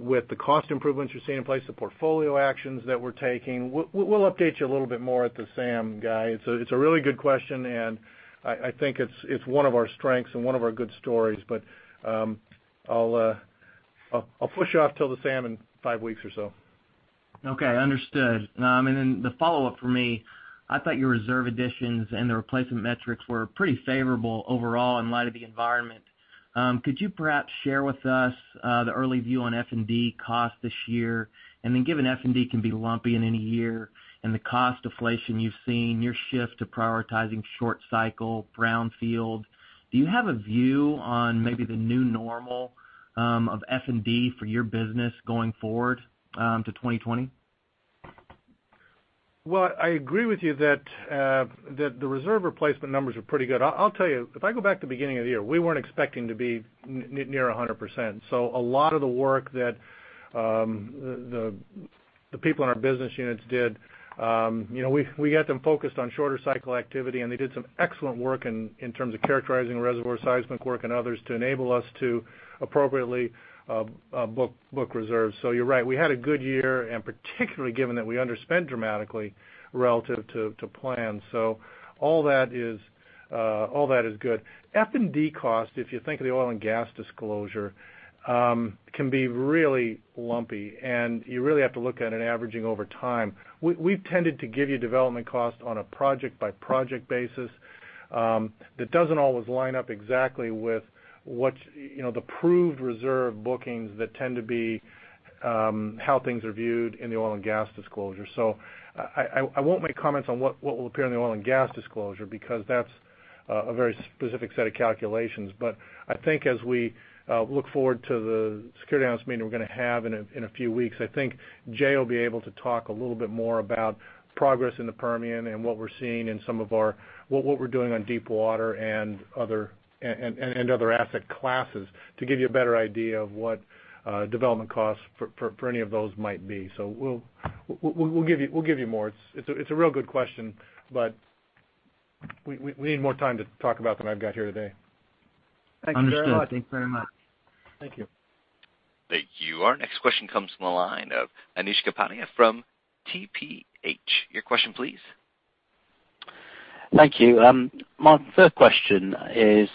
with the cost improvements you're seeing in place, the portfolio actions that we're taking. We'll update you a little bit more at the SAM, Guy. It's a really good question, I think it's one of our strengths and one of our good stories, I'll push you off till the SAM in five weeks or so. Okay, understood. The follow-up from me, I thought your reserve additions and the replacement metrics were pretty favorable overall in light of the environment. Could you perhaps share with us the early view on F&D cost this year? Given F&D can be lumpy in any year and the cost deflation you've seen, your shift to prioritizing short cycle brownfield, do you have a view on maybe the new normal of F&D for your business going forward to 2020? I agree with you that the reserve replacement numbers are pretty good. I'll tell you, if I go back to the beginning of the year, we weren't expecting to be near 100%. A lot of the work that the people in our business units did, we got them focused on shorter cycle activity, they did some excellent work in terms of characterizing reservoir seismic work and others to enable us to appropriately book reserves. You're right. We had a good year, particularly given that we underspent dramatically relative to plan. All that is good. F&D cost, if you think of the oil and gas disclosure, can be really lumpy, you really have to look at it averaging over time. We've tended to give you development cost on a project-by-project basis. That doesn't always line up exactly with the proved reserve bookings that tend to be how things are viewed in the oil and gas disclosure. I won't make comments on what will appear in the oil and gas disclosure because that's a very specific set of calculations. I think as we look forward to the Security Analyst Meeting we're going to have in a few weeks, I think Jay will be able to talk a little bit more about progress in the Permian and what we're doing on deep water and other asset classes to give you a better idea of what development costs for any of those might be. We'll give you more. It's a real good question, but we need more time to talk about than I've got here today. Understood. Thanks very much. Thank you. Thank you. Our next question comes from the line of Anish Kapadia from TPH. Your question, please. Thank you. My first question is,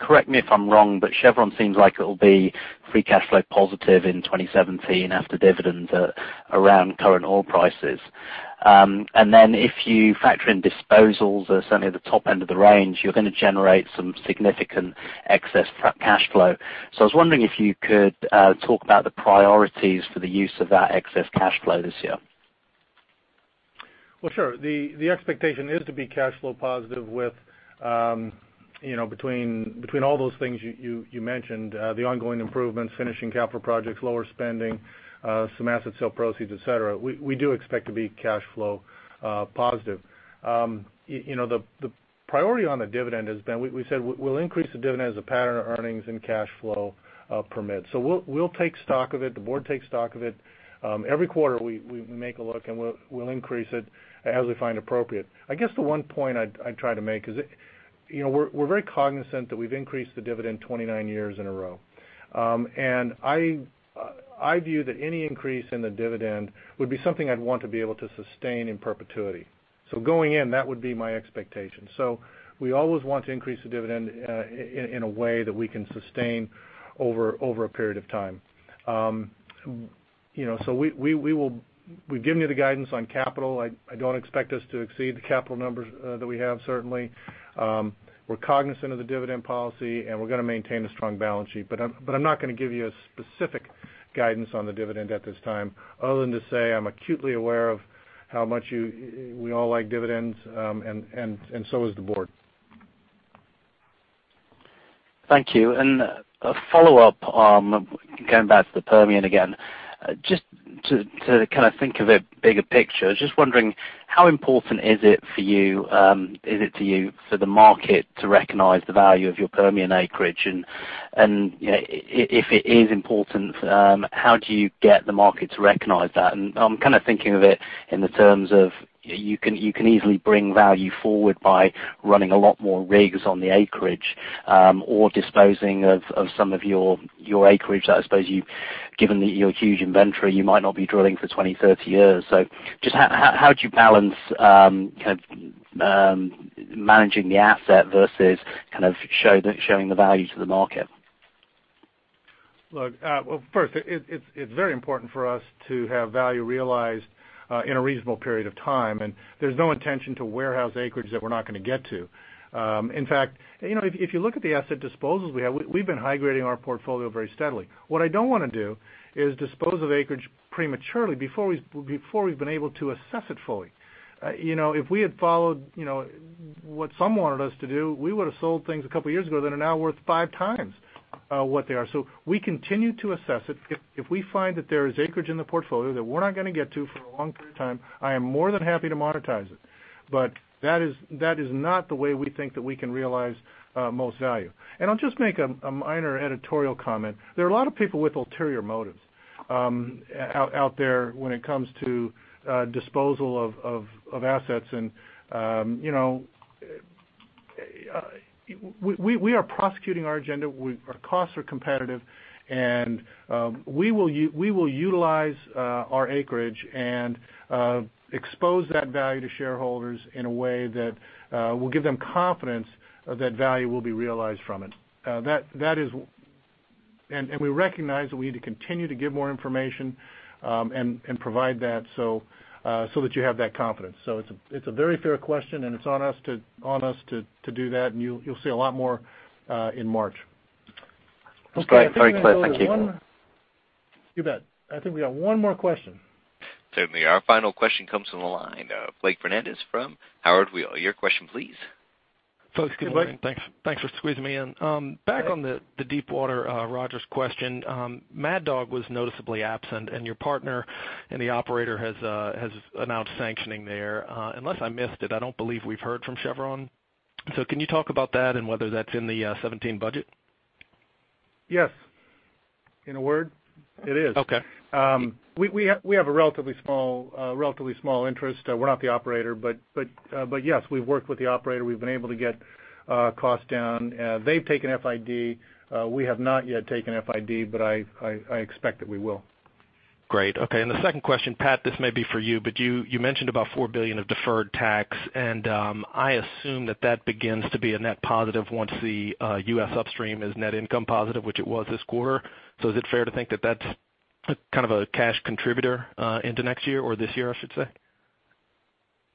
correct me if I'm wrong, Chevron seems like it'll be free cash flow positive in 2017 after dividends at around current oil prices. If you factor in disposals are certainly at the top end of the range, you're going to generate some significant excess cash flow. I was wondering if you could talk about the priorities for the use of that excess cash flow this year. Well, sure. The expectation is to be cash flow positive between all those things you mentioned, the ongoing improvements, finishing capital projects, lower spending, some asset sale proceeds, et cetera. We do expect to be cash flow positive. The priority on the dividend has been, we said we'll increase the dividend as the pattern of earnings and cash flow permit. We'll take stock of it. The board takes stock of it. Every quarter, we make a look, and we'll increase it as we find appropriate. I guess the one point I'd try to make is we're very cognizant that we've increased the dividend 29 years in a row. I view that any increase in the dividend would be something I'd want to be able to sustain in perpetuity. Going in, that would be my expectation. We always want to increase the dividend in a way that we can sustain over a period of time. We've given you the guidance on capital. I don't expect us to exceed the capital numbers that we have certainly. We're cognizant of the dividend policy, and we're going to maintain a strong balance sheet. I'm not going to give you a specific guidance on the dividend at this time, other than to say, I'm acutely aware of how much we all like dividends, and so is the board. Thank you. A follow-up, going back to the Permian again. Just to kind of think of it bigger picture, just wondering how important is it to you for the market to recognize the value of your Permian acreage? If it is important, how do you get the market to recognize that? I'm kind of thinking of it in the terms of you can easily bring value forward by running a lot more rigs on the acreage or disposing of some of your acreage that I suppose you, given your huge inventory, you might not be drilling for 20, 30 years. Just how do you balance managing the asset versus showing the value to the market? Look, well, first, it's very important for us to have value realized in a reasonable period of time, there's no intention to warehouse acreage that we're not going to get to. In fact, if you look at the asset disposals we have, we've been high-grading our portfolio very steadily. What I don't want to do is dispose of acreage prematurely before we've been able to assess it fully. If we had followed what some wanted us to do, we would've sold things a couple of years ago that are now worth five times what they are. We continue to assess it. If we find that there is acreage in the portfolio that we're not going to get to for a long period of time, I am more than happy to monetize it. That is not the way we think that we can realize most value. I'll just make a minor editorial comment. There are a lot of people with ulterior motives out there when it comes to disposal of assets. We are prosecuting our agenda. Our costs are competitive, we will utilize our acreage and expose that value to shareholders in a way that will give them confidence that value will be realized from it. We recognize that we need to continue to give more information, and provide that so that you have that confidence. It's a very fair question, and it's on us to do that, and you'll see a lot more in March. Okay. Very clear. Thank you. You bet. I think we got one more question. Certainly. Our final question comes from the line of Blake Fernandez from Howard Weil. Your question, please. Folks, good morning. Hey, Blake. Thanks for squeezing me in. Back on the Deepwater Roger's question. Mad Dog was noticeably absent, and your partner and the operator has announced sanctioning there. Unless I missed it, I don't believe we've heard from Chevron. Can you talk about that and whether that's in the 2017 budget? Yes. In a word, it is. Okay. We have a relatively small interest. We're not the operator, but yes, we've worked with the operator. We've been able to get costs down. They've taken FID. We have not yet taken FID, but I expect that we will. Great. Okay. The second question, Pat, this may be for you, but you mentioned about $4 billion of deferred tax, and I assume that that begins to be a net positive once the U.S. upstream is net income positive, which it was this quarter. Is it fair to think that that's kind of a cash contributor into next year or this year, I should say?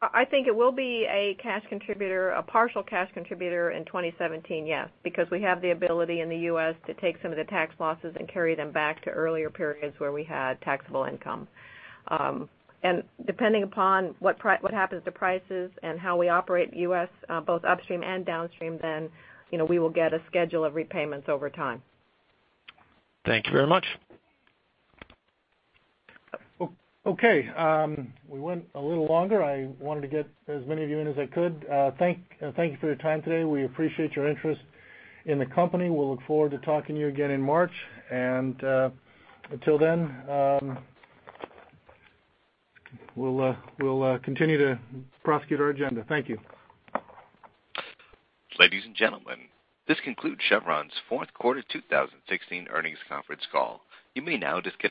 I think it will be a cash contributor, a partial cash contributor in 2017, yes, because we have the ability in the U.S. to take some of the tax losses and carry them back to earlier periods where we had taxable income. Depending upon what happens to prices and how we operate U.S. both upstream and downstream, then we will get a schedule of repayments over time. Thank you very much. Okay. We went a little longer. I wanted to get as many of you in as I could. Thank you for your time today. We appreciate your interest in the company. We'll look forward to talking to you again in March. Until then, we'll continue to prosecute our agenda. Thank you. Ladies and gentlemen, this concludes Chevron's fourth quarter 2016 earnings conference call. You may now disconnect.